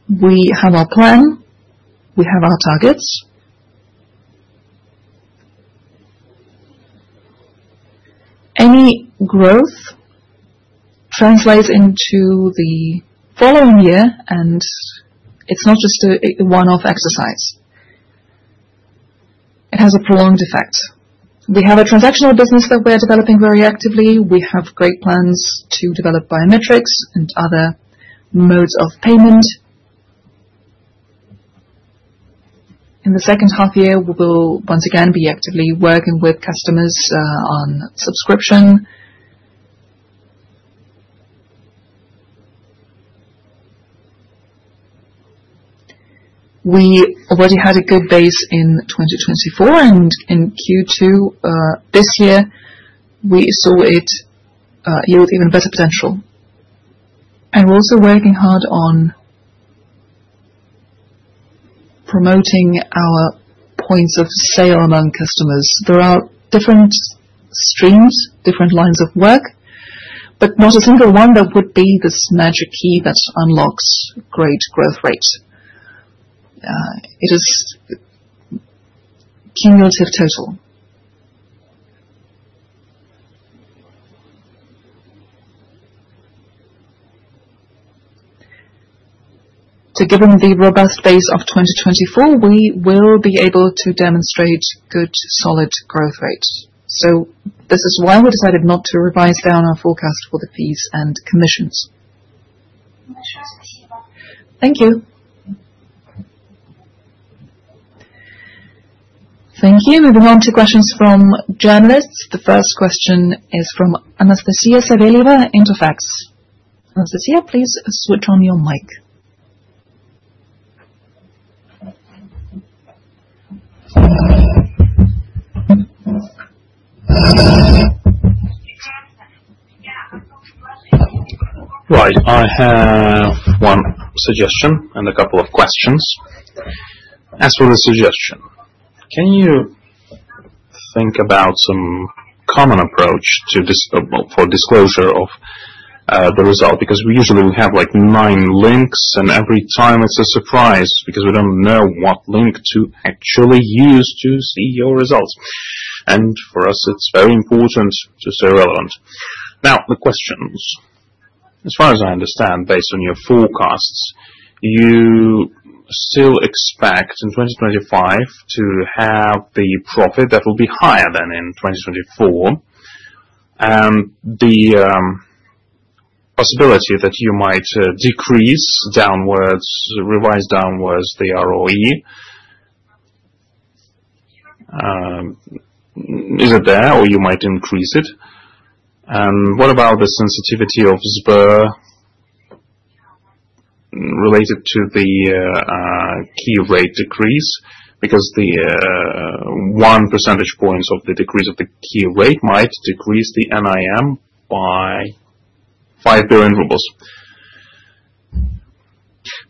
We have our plan. We have our targets. Any growth translates into the following year, and it's not just a one-off exercise. It has a prolonged effect. We have a transactional business that we're developing very actively. We have great plans to develop biometrics and other modes of payment. In the second half year, we will once again be actively working with customers on subscription. We already had a good base in 2024, and in Q2 this year, we saw it yield even better potential. And we're also working hard on promoting our points of sale among customers. There are different streams, different lines of work, but not a single one that would be this magic key that unlocks great growth rates. It is cumulative total. Given the robust base of 2024, we will be able to demonstrate good, solid growth rates. This is why we decided not to revise down our forecast for the fees and commissions. Thank you. Thank you. Moving on to questions from journalists. The first question is from Anastasia Seryoleva in TASS. Anastasia, please switch on your mic. Right. I have one suggestion and a couple of questions. As for the suggestion, can you think about some common approach for disclosure of. The result? Because usually, we have nine links, and every time it's a surprise because we don't know what link to actually use to see your results. For us, it's very important to stay relevant. Now, the questions. As far as I understand, based on your forecasts, you still expect in 2025 to have the profit that will be higher than in 2024. The possibility that you might decrease downwards, revise downwards the ROE, is it there, or you might increase it? What about the sensitivity of Sber related to the Key Rate decrease? Because one percentage point of the decrease of the Key Rate might decrease the NIM by RUB 5 billion.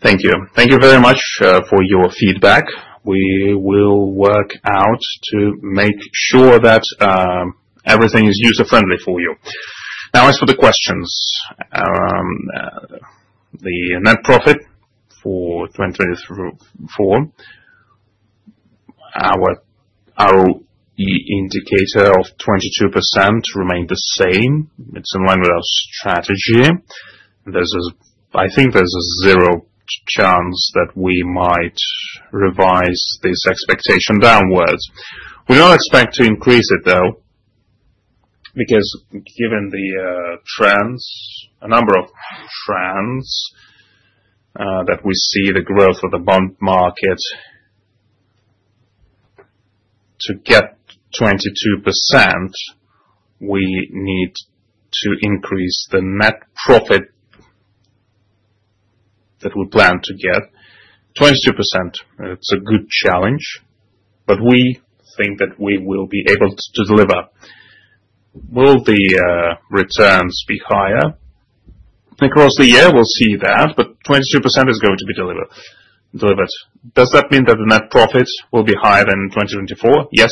Thank you. Thank you very much for your feedback. We will work out to make sure that everything is user-friendly for you. Now, as for the questions. The net profit for 2024, our ROE indicator of 22% remained the same. It's in line with our strategy. I think there's a zero chance that we might revise this expectation downwards. We don't expect to increase it, though, because given the trends, a number of trends that we see, the growth of the bond market, to get 22%, we need to increase the net profit that we plan to get. 22%, it's a good challenge, but we think that we will be able to deliver. Will the returns be higher? Across the year, we'll see that, but 22% is going to be delivered. Does that mean that the net profit will be higher than in 2024? Yes.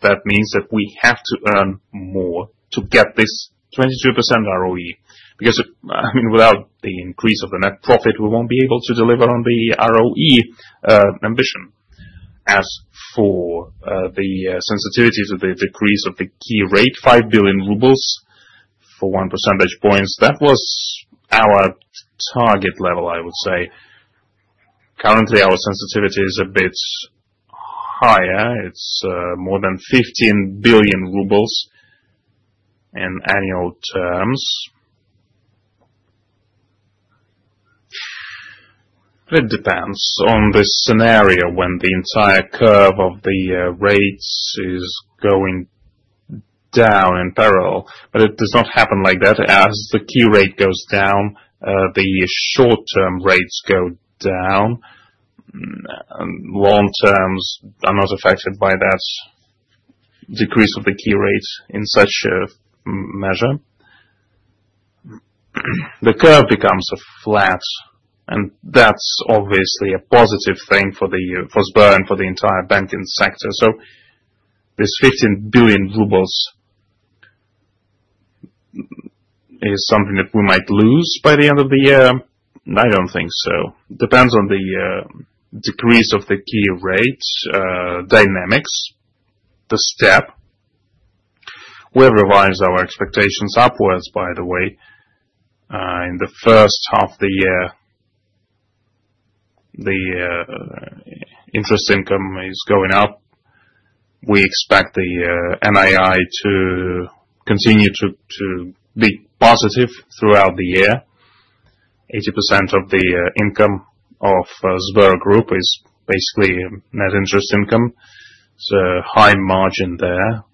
That means that we have to earn more to get this 22% ROE. Because, I mean, without the increase of the net profit, we won't be able to deliver on the ROE ambition. As for the sensitivity to the decrease of the Key Rate, 5 billion rubles for one percentage point, that was our target level, I would say. Currently, our sensitivity is a bit higher. It's more than 15 billion rubles in annual terms. It depends on this scenario when the entire curve of the rates is going down in parallel. It does not happen like that. As the Key Rate goes down, the short-term rates go down. Long-terms are not affected by that decrease of the Key Rate in such a measure. The curve becomes flat, and that's obviously a positive thing for Sber and for the entire banking sector. This RUB 15 billion is something that we might lose by the end of the year. I don't think so. Depends on the decrease of the Key Rate dynamics. The step. We have revised our expectations upwards, by the way. In the first half of the year, the interest income is going up. We expect the NII to. Continue to be positive throughout the year. 80% of the income of Sber Group is basically net interest income. It's a high margin there.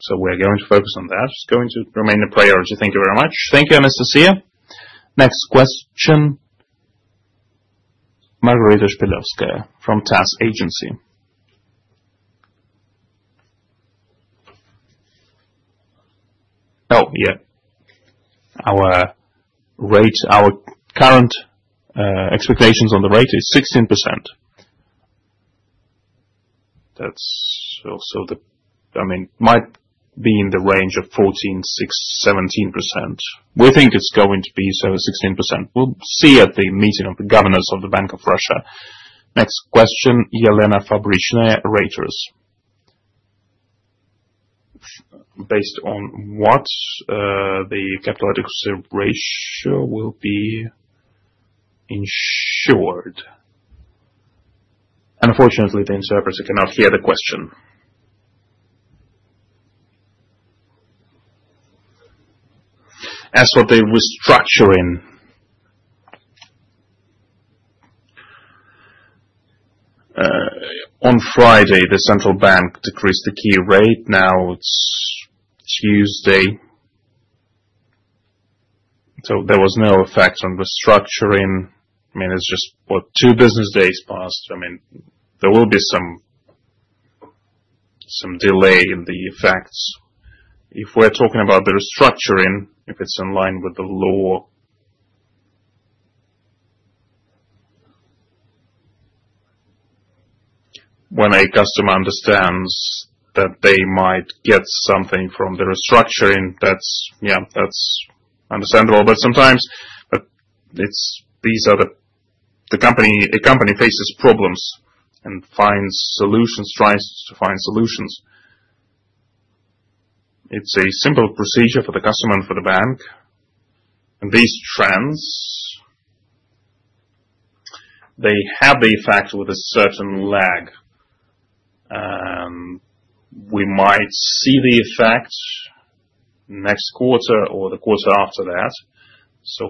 So we're going to focus on that. It's going to remain a priority. Thank you very much. Thank you, Anastasia. Next question. Margarita Shpilovskaya from TASS Agency. Oh, yeah. Our current expectations on the rate is 16%. That's also the—I mean, it might be in the range of 14-16-17%. We think it's going to be 16%. We'll see at the meeting of the governors of the Bank of Russia. Next question, Elena Fabrichnaya, Reuters. Based on what the Capital Adequacy Ratio will be insured? Unfortunately, the interpreter cannot hear the question. As for the restructuring. On Friday, the central bank decreased the Key Rate. Now it's Tuesday. So there was no effect on restructuring. I mean, it's just what, two business days passed? I mean, there will be some delay in the effects. If we're talking about the restructuring, if it's in line with the law. When a customer understands that they might get something from the restructuring, yeah, that's understandable. But sometimes these are the—a company faces problems and finds solutions, tries to find solutions. It's a simple procedure for the customer and for the bank. These trends, they have the effect with a certain lag. We might see the effect next quarter or the quarter after that.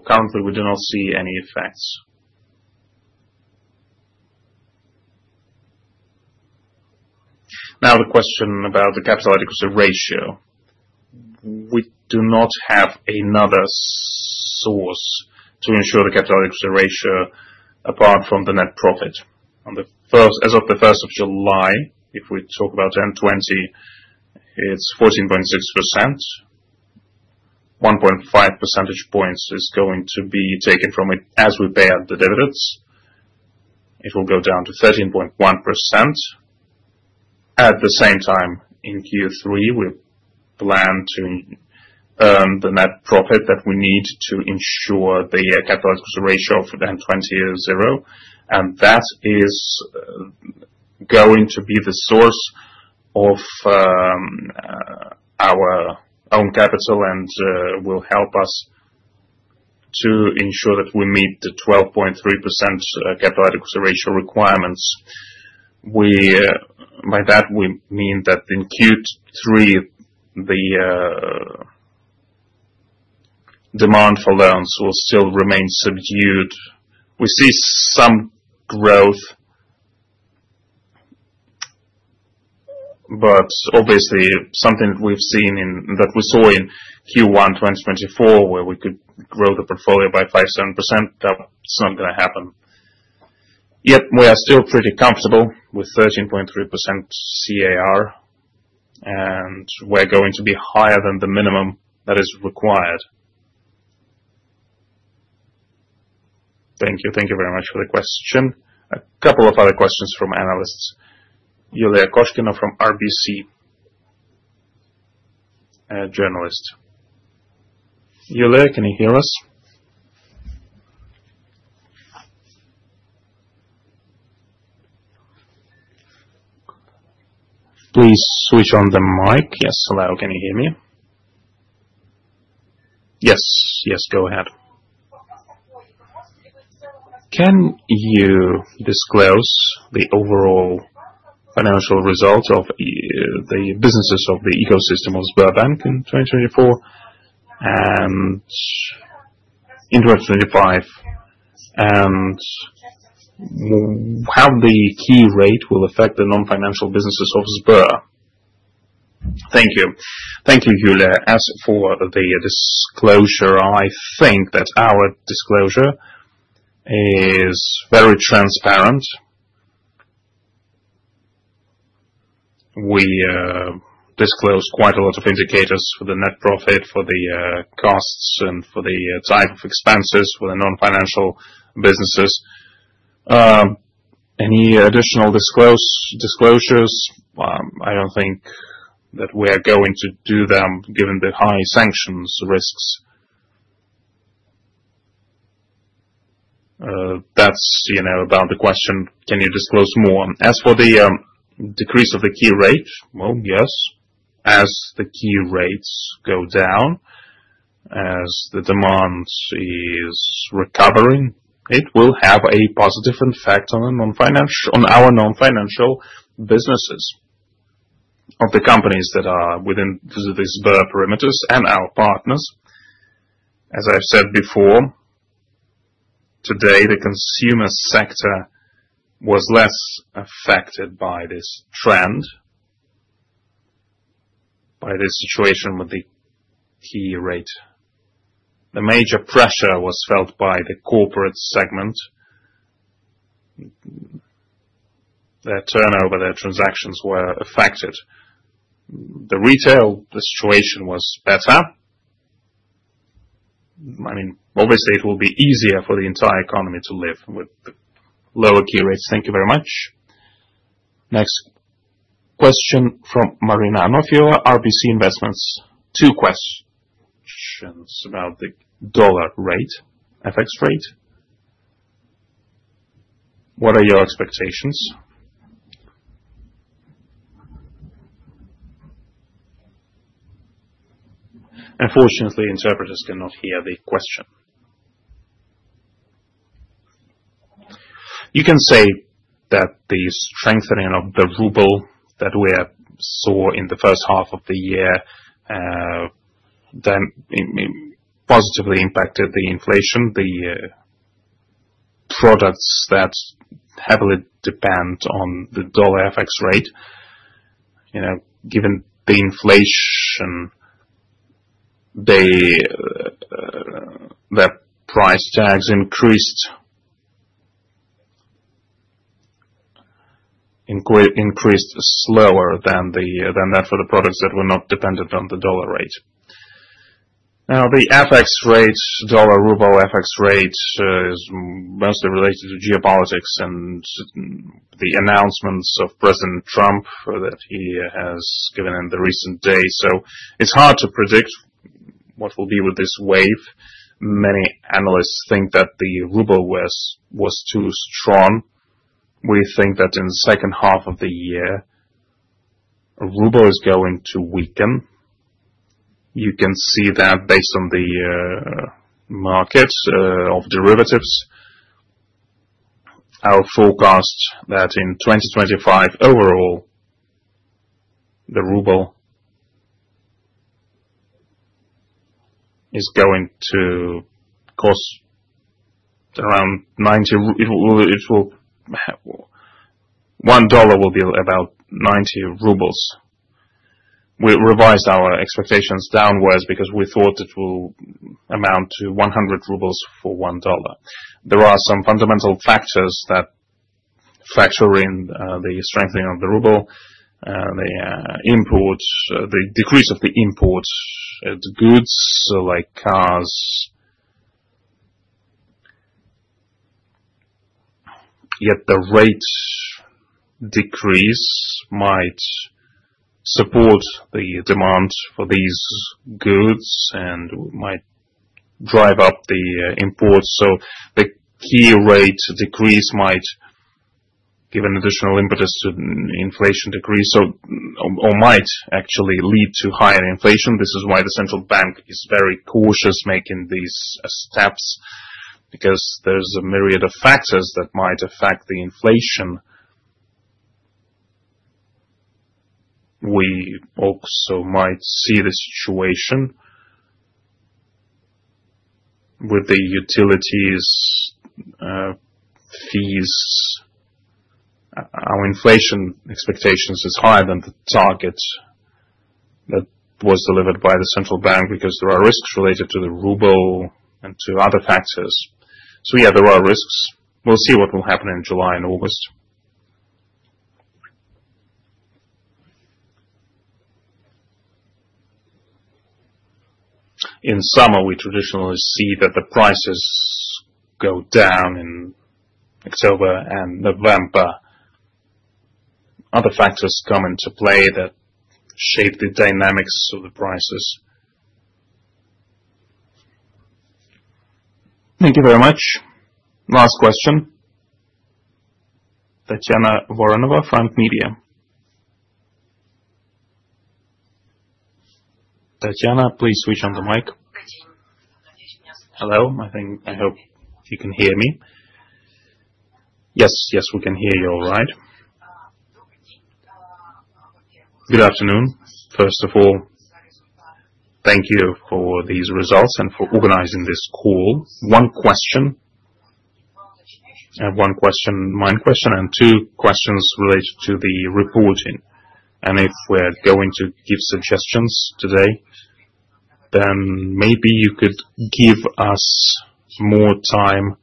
Currently, we do not see any effects. Now, the question about the Capital Adequacy Ratio. We do not have another source to ensure the Capital Adequacy Ratio apart from the net profit. As of the 1st July, if we talk about 2020, it's 14.6%. 1.5 percentage points is going to be taken from it as we pay out the dividends. It will go down to 13.1%. At the same time, in Q3, we plan to earn the net profit that we need to ensure the Capital Adequacy Ratio for 2020 is zero. That is going to be the source of our own capital and will help us to ensure that we meet the 12.3% Capital Adequacy Ratio requirements. By that, we mean that in Q3 the demand for loans will still remain subdued. We see some growth. Obviously, something that we've seen that we saw in Q1 2024, where we could grow the portfolio by 5%-7%, that's not going to happen. Yet, we are still pretty comfortable with 13.3% CAR. We're going to be higher than the minimum that is required. Thank you. Thank you very much for the question. A couple of other questions from analysts. Yulia Koshkina from RBC. Journalist. Yulia, can you hear us? Please switch on the mic. Yes, hello, can you hear me? Yes. Yes, go ahead. Can you disclose the overall financial result of the businesses of the ecosystem of Sberbank in 2024 and in 2025, and how the Key Rate will affect the non-financial businesses of Sber? Thank you. Thank you, Yulia. As for the disclosure, I think that our disclosure is very transparent. We disclose quite a lot of indicators for the net profit, for the costs, and for the type of expenses for the non-financial businesses. Any additional disclosures? I do not think that we are going to do them given the high sanctions risks. That is about the question. Can you disclose more? As for the decrease of the Key Rate, yes, as the Key Rates go down, as the demand is recovering, it will have a positive effect on our non-financial businesses of the companies that are within the Sber perimeters and our partners. As I have said before, today, the consumer sector was less affected by this trend, by this situation with the Key Rate. The major pressure was felt by the corporate segment. Their turnover, their transactions were affected. The retail situation was better. I mean, obviously, it will be easier for the entire economy to live with the lower Key Rates. Thank you very much. Next question from Marina Anufrieva, RBC Investments. Two questions about the dollar rate, FX rate. What are your expectations? Unfortunately, interpreters cannot hear the question. You can say that the strengthening of the ruble that we saw in the first half of the year positively impacted the inflation, the products that heavily depend on the dollar FX rate. Given the inflation, their price tags increased slower than that for the products that were not dependent on the dollar rate. Now, the dollar ruble FX rate is mostly related to geopolitics and the announcements of President Trump that he has given in the recent days. It is hard to predict what will be with this wave. Many analysts think that the ruble was too strong. We think that in the second half of the year, ruble is going to weaken. You can see that based on the market of derivatives. Our forecast that in 2025, overall, the ruble is going to cost around 90. One dollar will be about 90 rubles. We revised our expectations downwards because we thought it will amount to 100 rubles for one dollar. There are some fundamental factors that factor in the strengthening of the ruble. The decrease of the import goods like cars. Yet the rate decrease might support the demand for these goods and might drive up the imports. The Key Rate decrease might give an additional impetus to inflation decrease or might actually lead to higher inflation. This is why the central bank is very cautious making these steps because there is a myriad of factors that might affect the inflation. We also might see the situation with the utilities fees. Our inflation expectations is higher than the target that was delivered by the central bank because there are risks related to the ruble and to other factors. Yeah, there are risks. We will see what will happen in July and August. In summer, we traditionally see that the prices go down. In October and November, other factors come into play that shape the dynamics of the prices. Thank you very much. Last question. Tatiana Voronova, Frank Media. Tatiana, please switch on the mic. Hello. I hope you can hear me. Yes, yes, we can hear you all right. Good afternoon. First of all, thank you for these results and for organizing this call. One question. One question, my question, and two questions related to the reporting. If we are going to give suggestions today, then maybe you could give us more time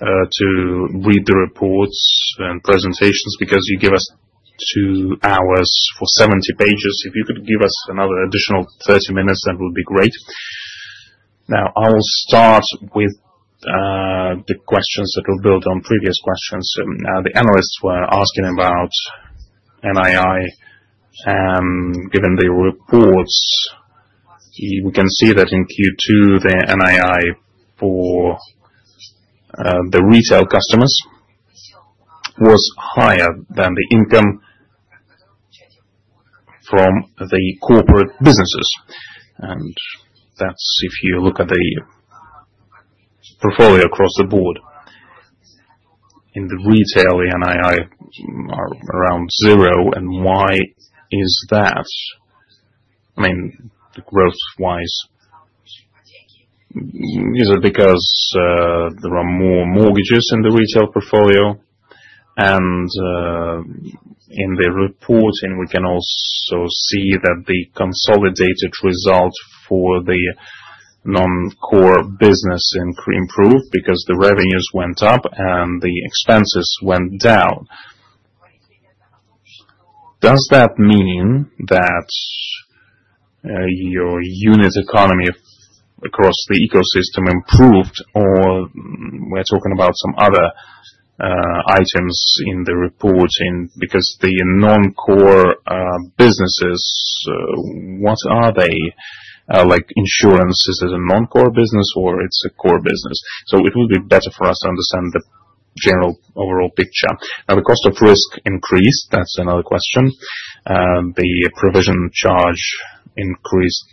to read the reports and presentations because you give us two hours for 70 pages. If you could give us another additional 30 minutes, that would be great. Now, I will start with the questions that were built on previous questions. The analysts were asking about NII. Given the reports, we can see that in Q2, the NII for the retail customers was higher than the income from the corporate businesses. If you look at the portfolio across the board, in the retail, the NII are around zero. Why is that? I mean, growth-wise, is it because there are more mortgages in the retail portfolio? In the reporting, we can also see that the consolidated result for the non-core business improved because the revenues went up and the expenses went down. Does that mean that your unit economy across the ecosystem improved, or we are talking about some other items in the reporting? Because the non-core businesses, what are they? Like insurance, is it a non-core business, or is it a core business? It would be better for us to understand the general overall picture. Now, the Cost of Risk increased. That is another question. The provision charge increased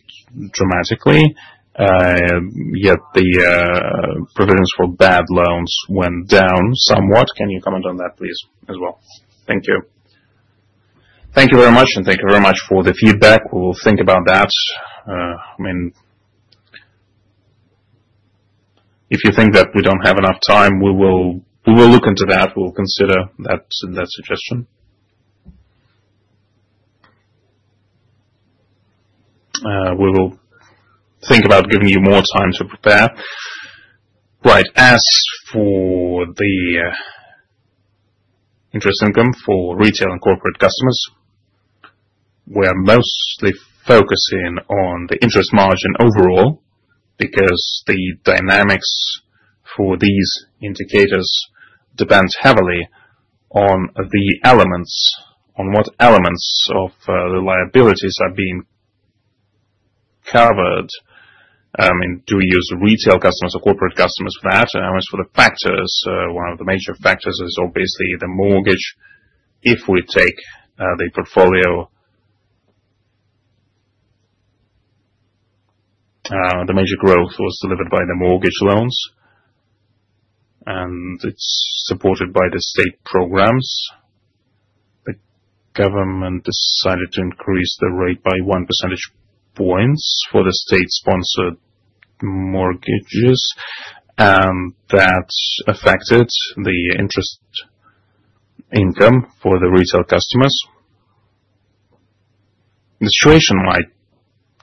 dramatically, yet the provisions for bad loans went down somewhat. Can you comment on that, please, as well? Thank you. Thank you very much, and thank you very much for the feedback. We will think about that. I mean, if you think that we do not have enough time, we will look into that. We will consider that suggestion. We will think about giving you more time to prepare. Right. As for the interest income for retail and corporate customers, we are mostly focusing on the interest margin overall because the dynamics for these indicators depend heavily on the elements, on what elements of the liabilities are being covered. I mean, do we use retail customers or corporate customers for that? As for the factors, one of the major factors is obviously the mortgage. If we take the portfolio, the major growth was delivered by the mortgage loans, and it is supported by the state programs. The government decided to increase the rate by 1 percentage points for the state-sponsored mortgages, and that affected the interest income for the retail customers. The situation might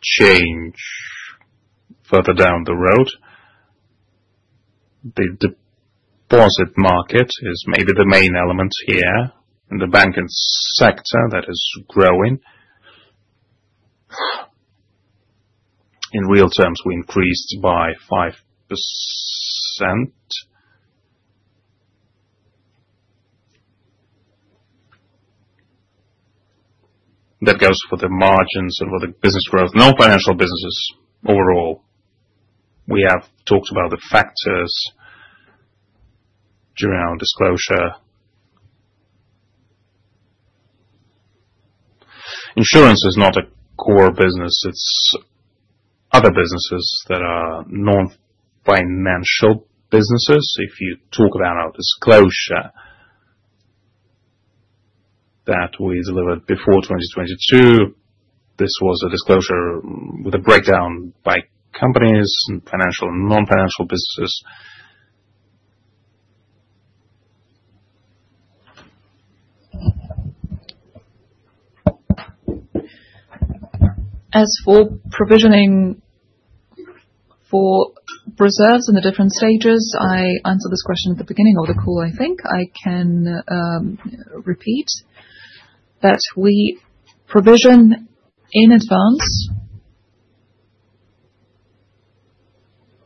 change further down the road. The deposit market is maybe the main element here, and the banking sector that is growing. In real terms, we increased by 5%. That goes for the margins and for the business growth. Non-financial businesses, overall. We have talked about the factors during our disclosure. Insurance is not a core business. It is other businesses that are non-financial businesses. If you talk about our disclosure that we delivered before 2022, this was a disclosure with a breakdown by companies and financial and non-financial businesses. As for provisioning for reserves in the different stages, I answered this question at the beginning of the call, I think. I can repeat that we provision in advance.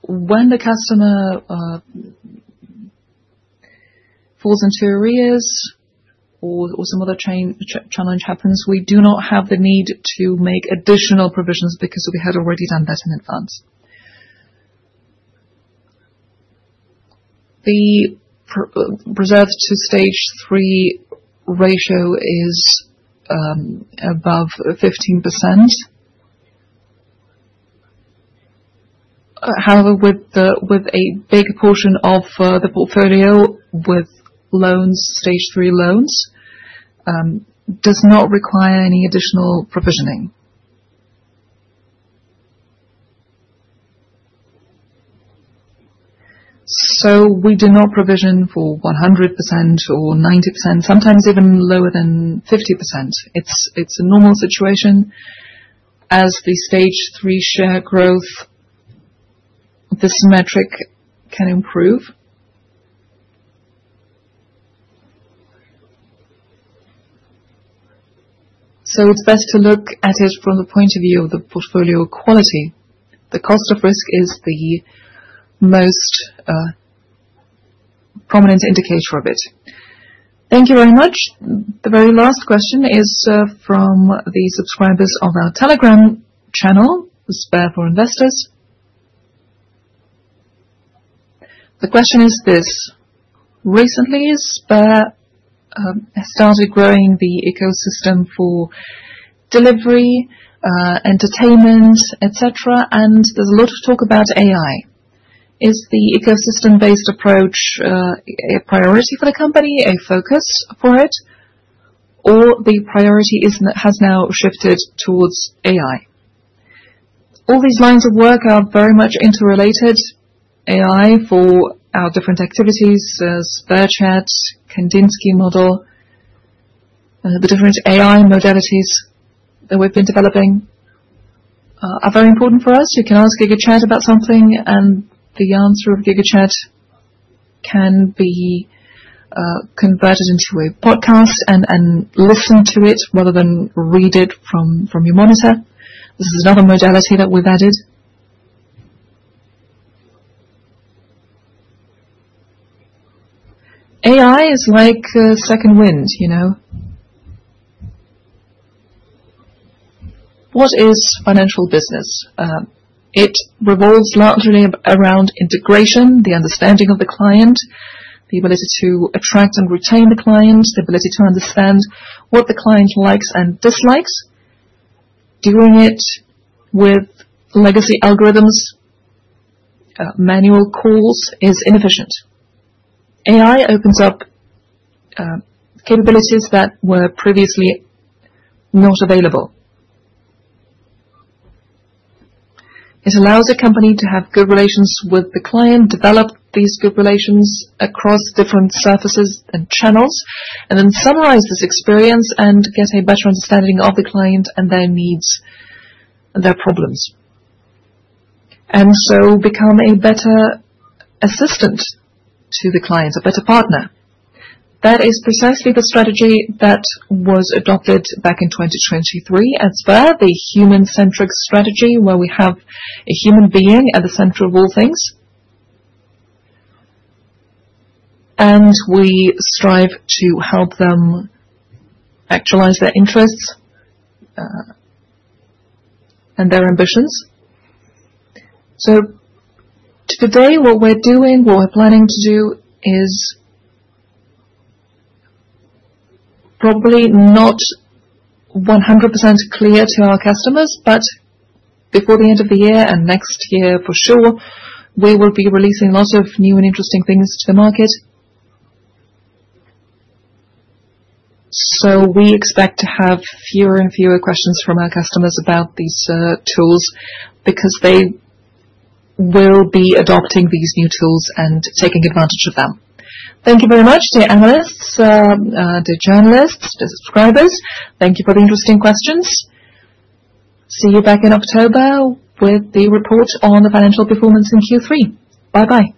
When the customer falls into arrears or some other challenge happens, we do not have the need to make additional provisions because we had already done that in advance. The reserves to stage three ratio is above 15%. However, with a big portion of the portfolio with Stage Three Loans, it does not require any additional provisioning. So we do not provision for 100% or 90%, sometimes even lower than 50%. It is a normal situation. As the stage three share growth, this metric can improve. So it is best to look at it from the point of view of the portfolio quality. The Cost of Risk is the most prominent indicator of it. Thank you very much. The very last question is from the subscribers of our Telegram channel, Sber for Investors. The question is this. Recently, Sber has started growing the ecosystem for delivery, entertainment, etc., and there is a lot of talk about AI. Is the ecosystem-based approach a priority for the company, a focus for it, or has the priority now shifted towards AI? All these lines of work are very much interrelated. AI for our different activities, GigaChat, Kandinsky model, the different AI modalities that we have been developing, are very important for us. You can ask GigaChat about something, and the answer of GigaChat can be converted into a podcast and listened to rather than read from your monitor. This is another modality that we have added. AI is like a second wind. What is financial business? It revolves largely around integration, the understanding of the client, the ability to attract and retain the client, the ability to understand what the client likes and dislikes. Doing it with legacy algorithms, manual calls is inefficient. AI opens up capabilities that were previously not available. It allows a company to have good relations with the client, develop these good relations across different surfaces and channels, and then summarize this experience and get a better understanding of the client and their needs and their problems, and become a better assistant to the client, a better partner. That is precisely the strategy that was adopted back in 2023 at Sber, the human-centric strategy where we have a human being at the center of all things, and we strive to help them actualize their interests and their ambitions. Today, what we are doing, what we are planning to do is probably not 100% clear to our customers, but before the end of the year and next year for sure, we will be releasing lots of new and interesting things to the market. We expect to have fewer and fewer questions from our customers about these tools because they will be adopting these new tools and taking advantage of them. Thank you very much to the analysts, the journalists, the subscribers. Thank you for the interesting questions. See you back in October with the report on the financial performance in Q3. Bye-bye.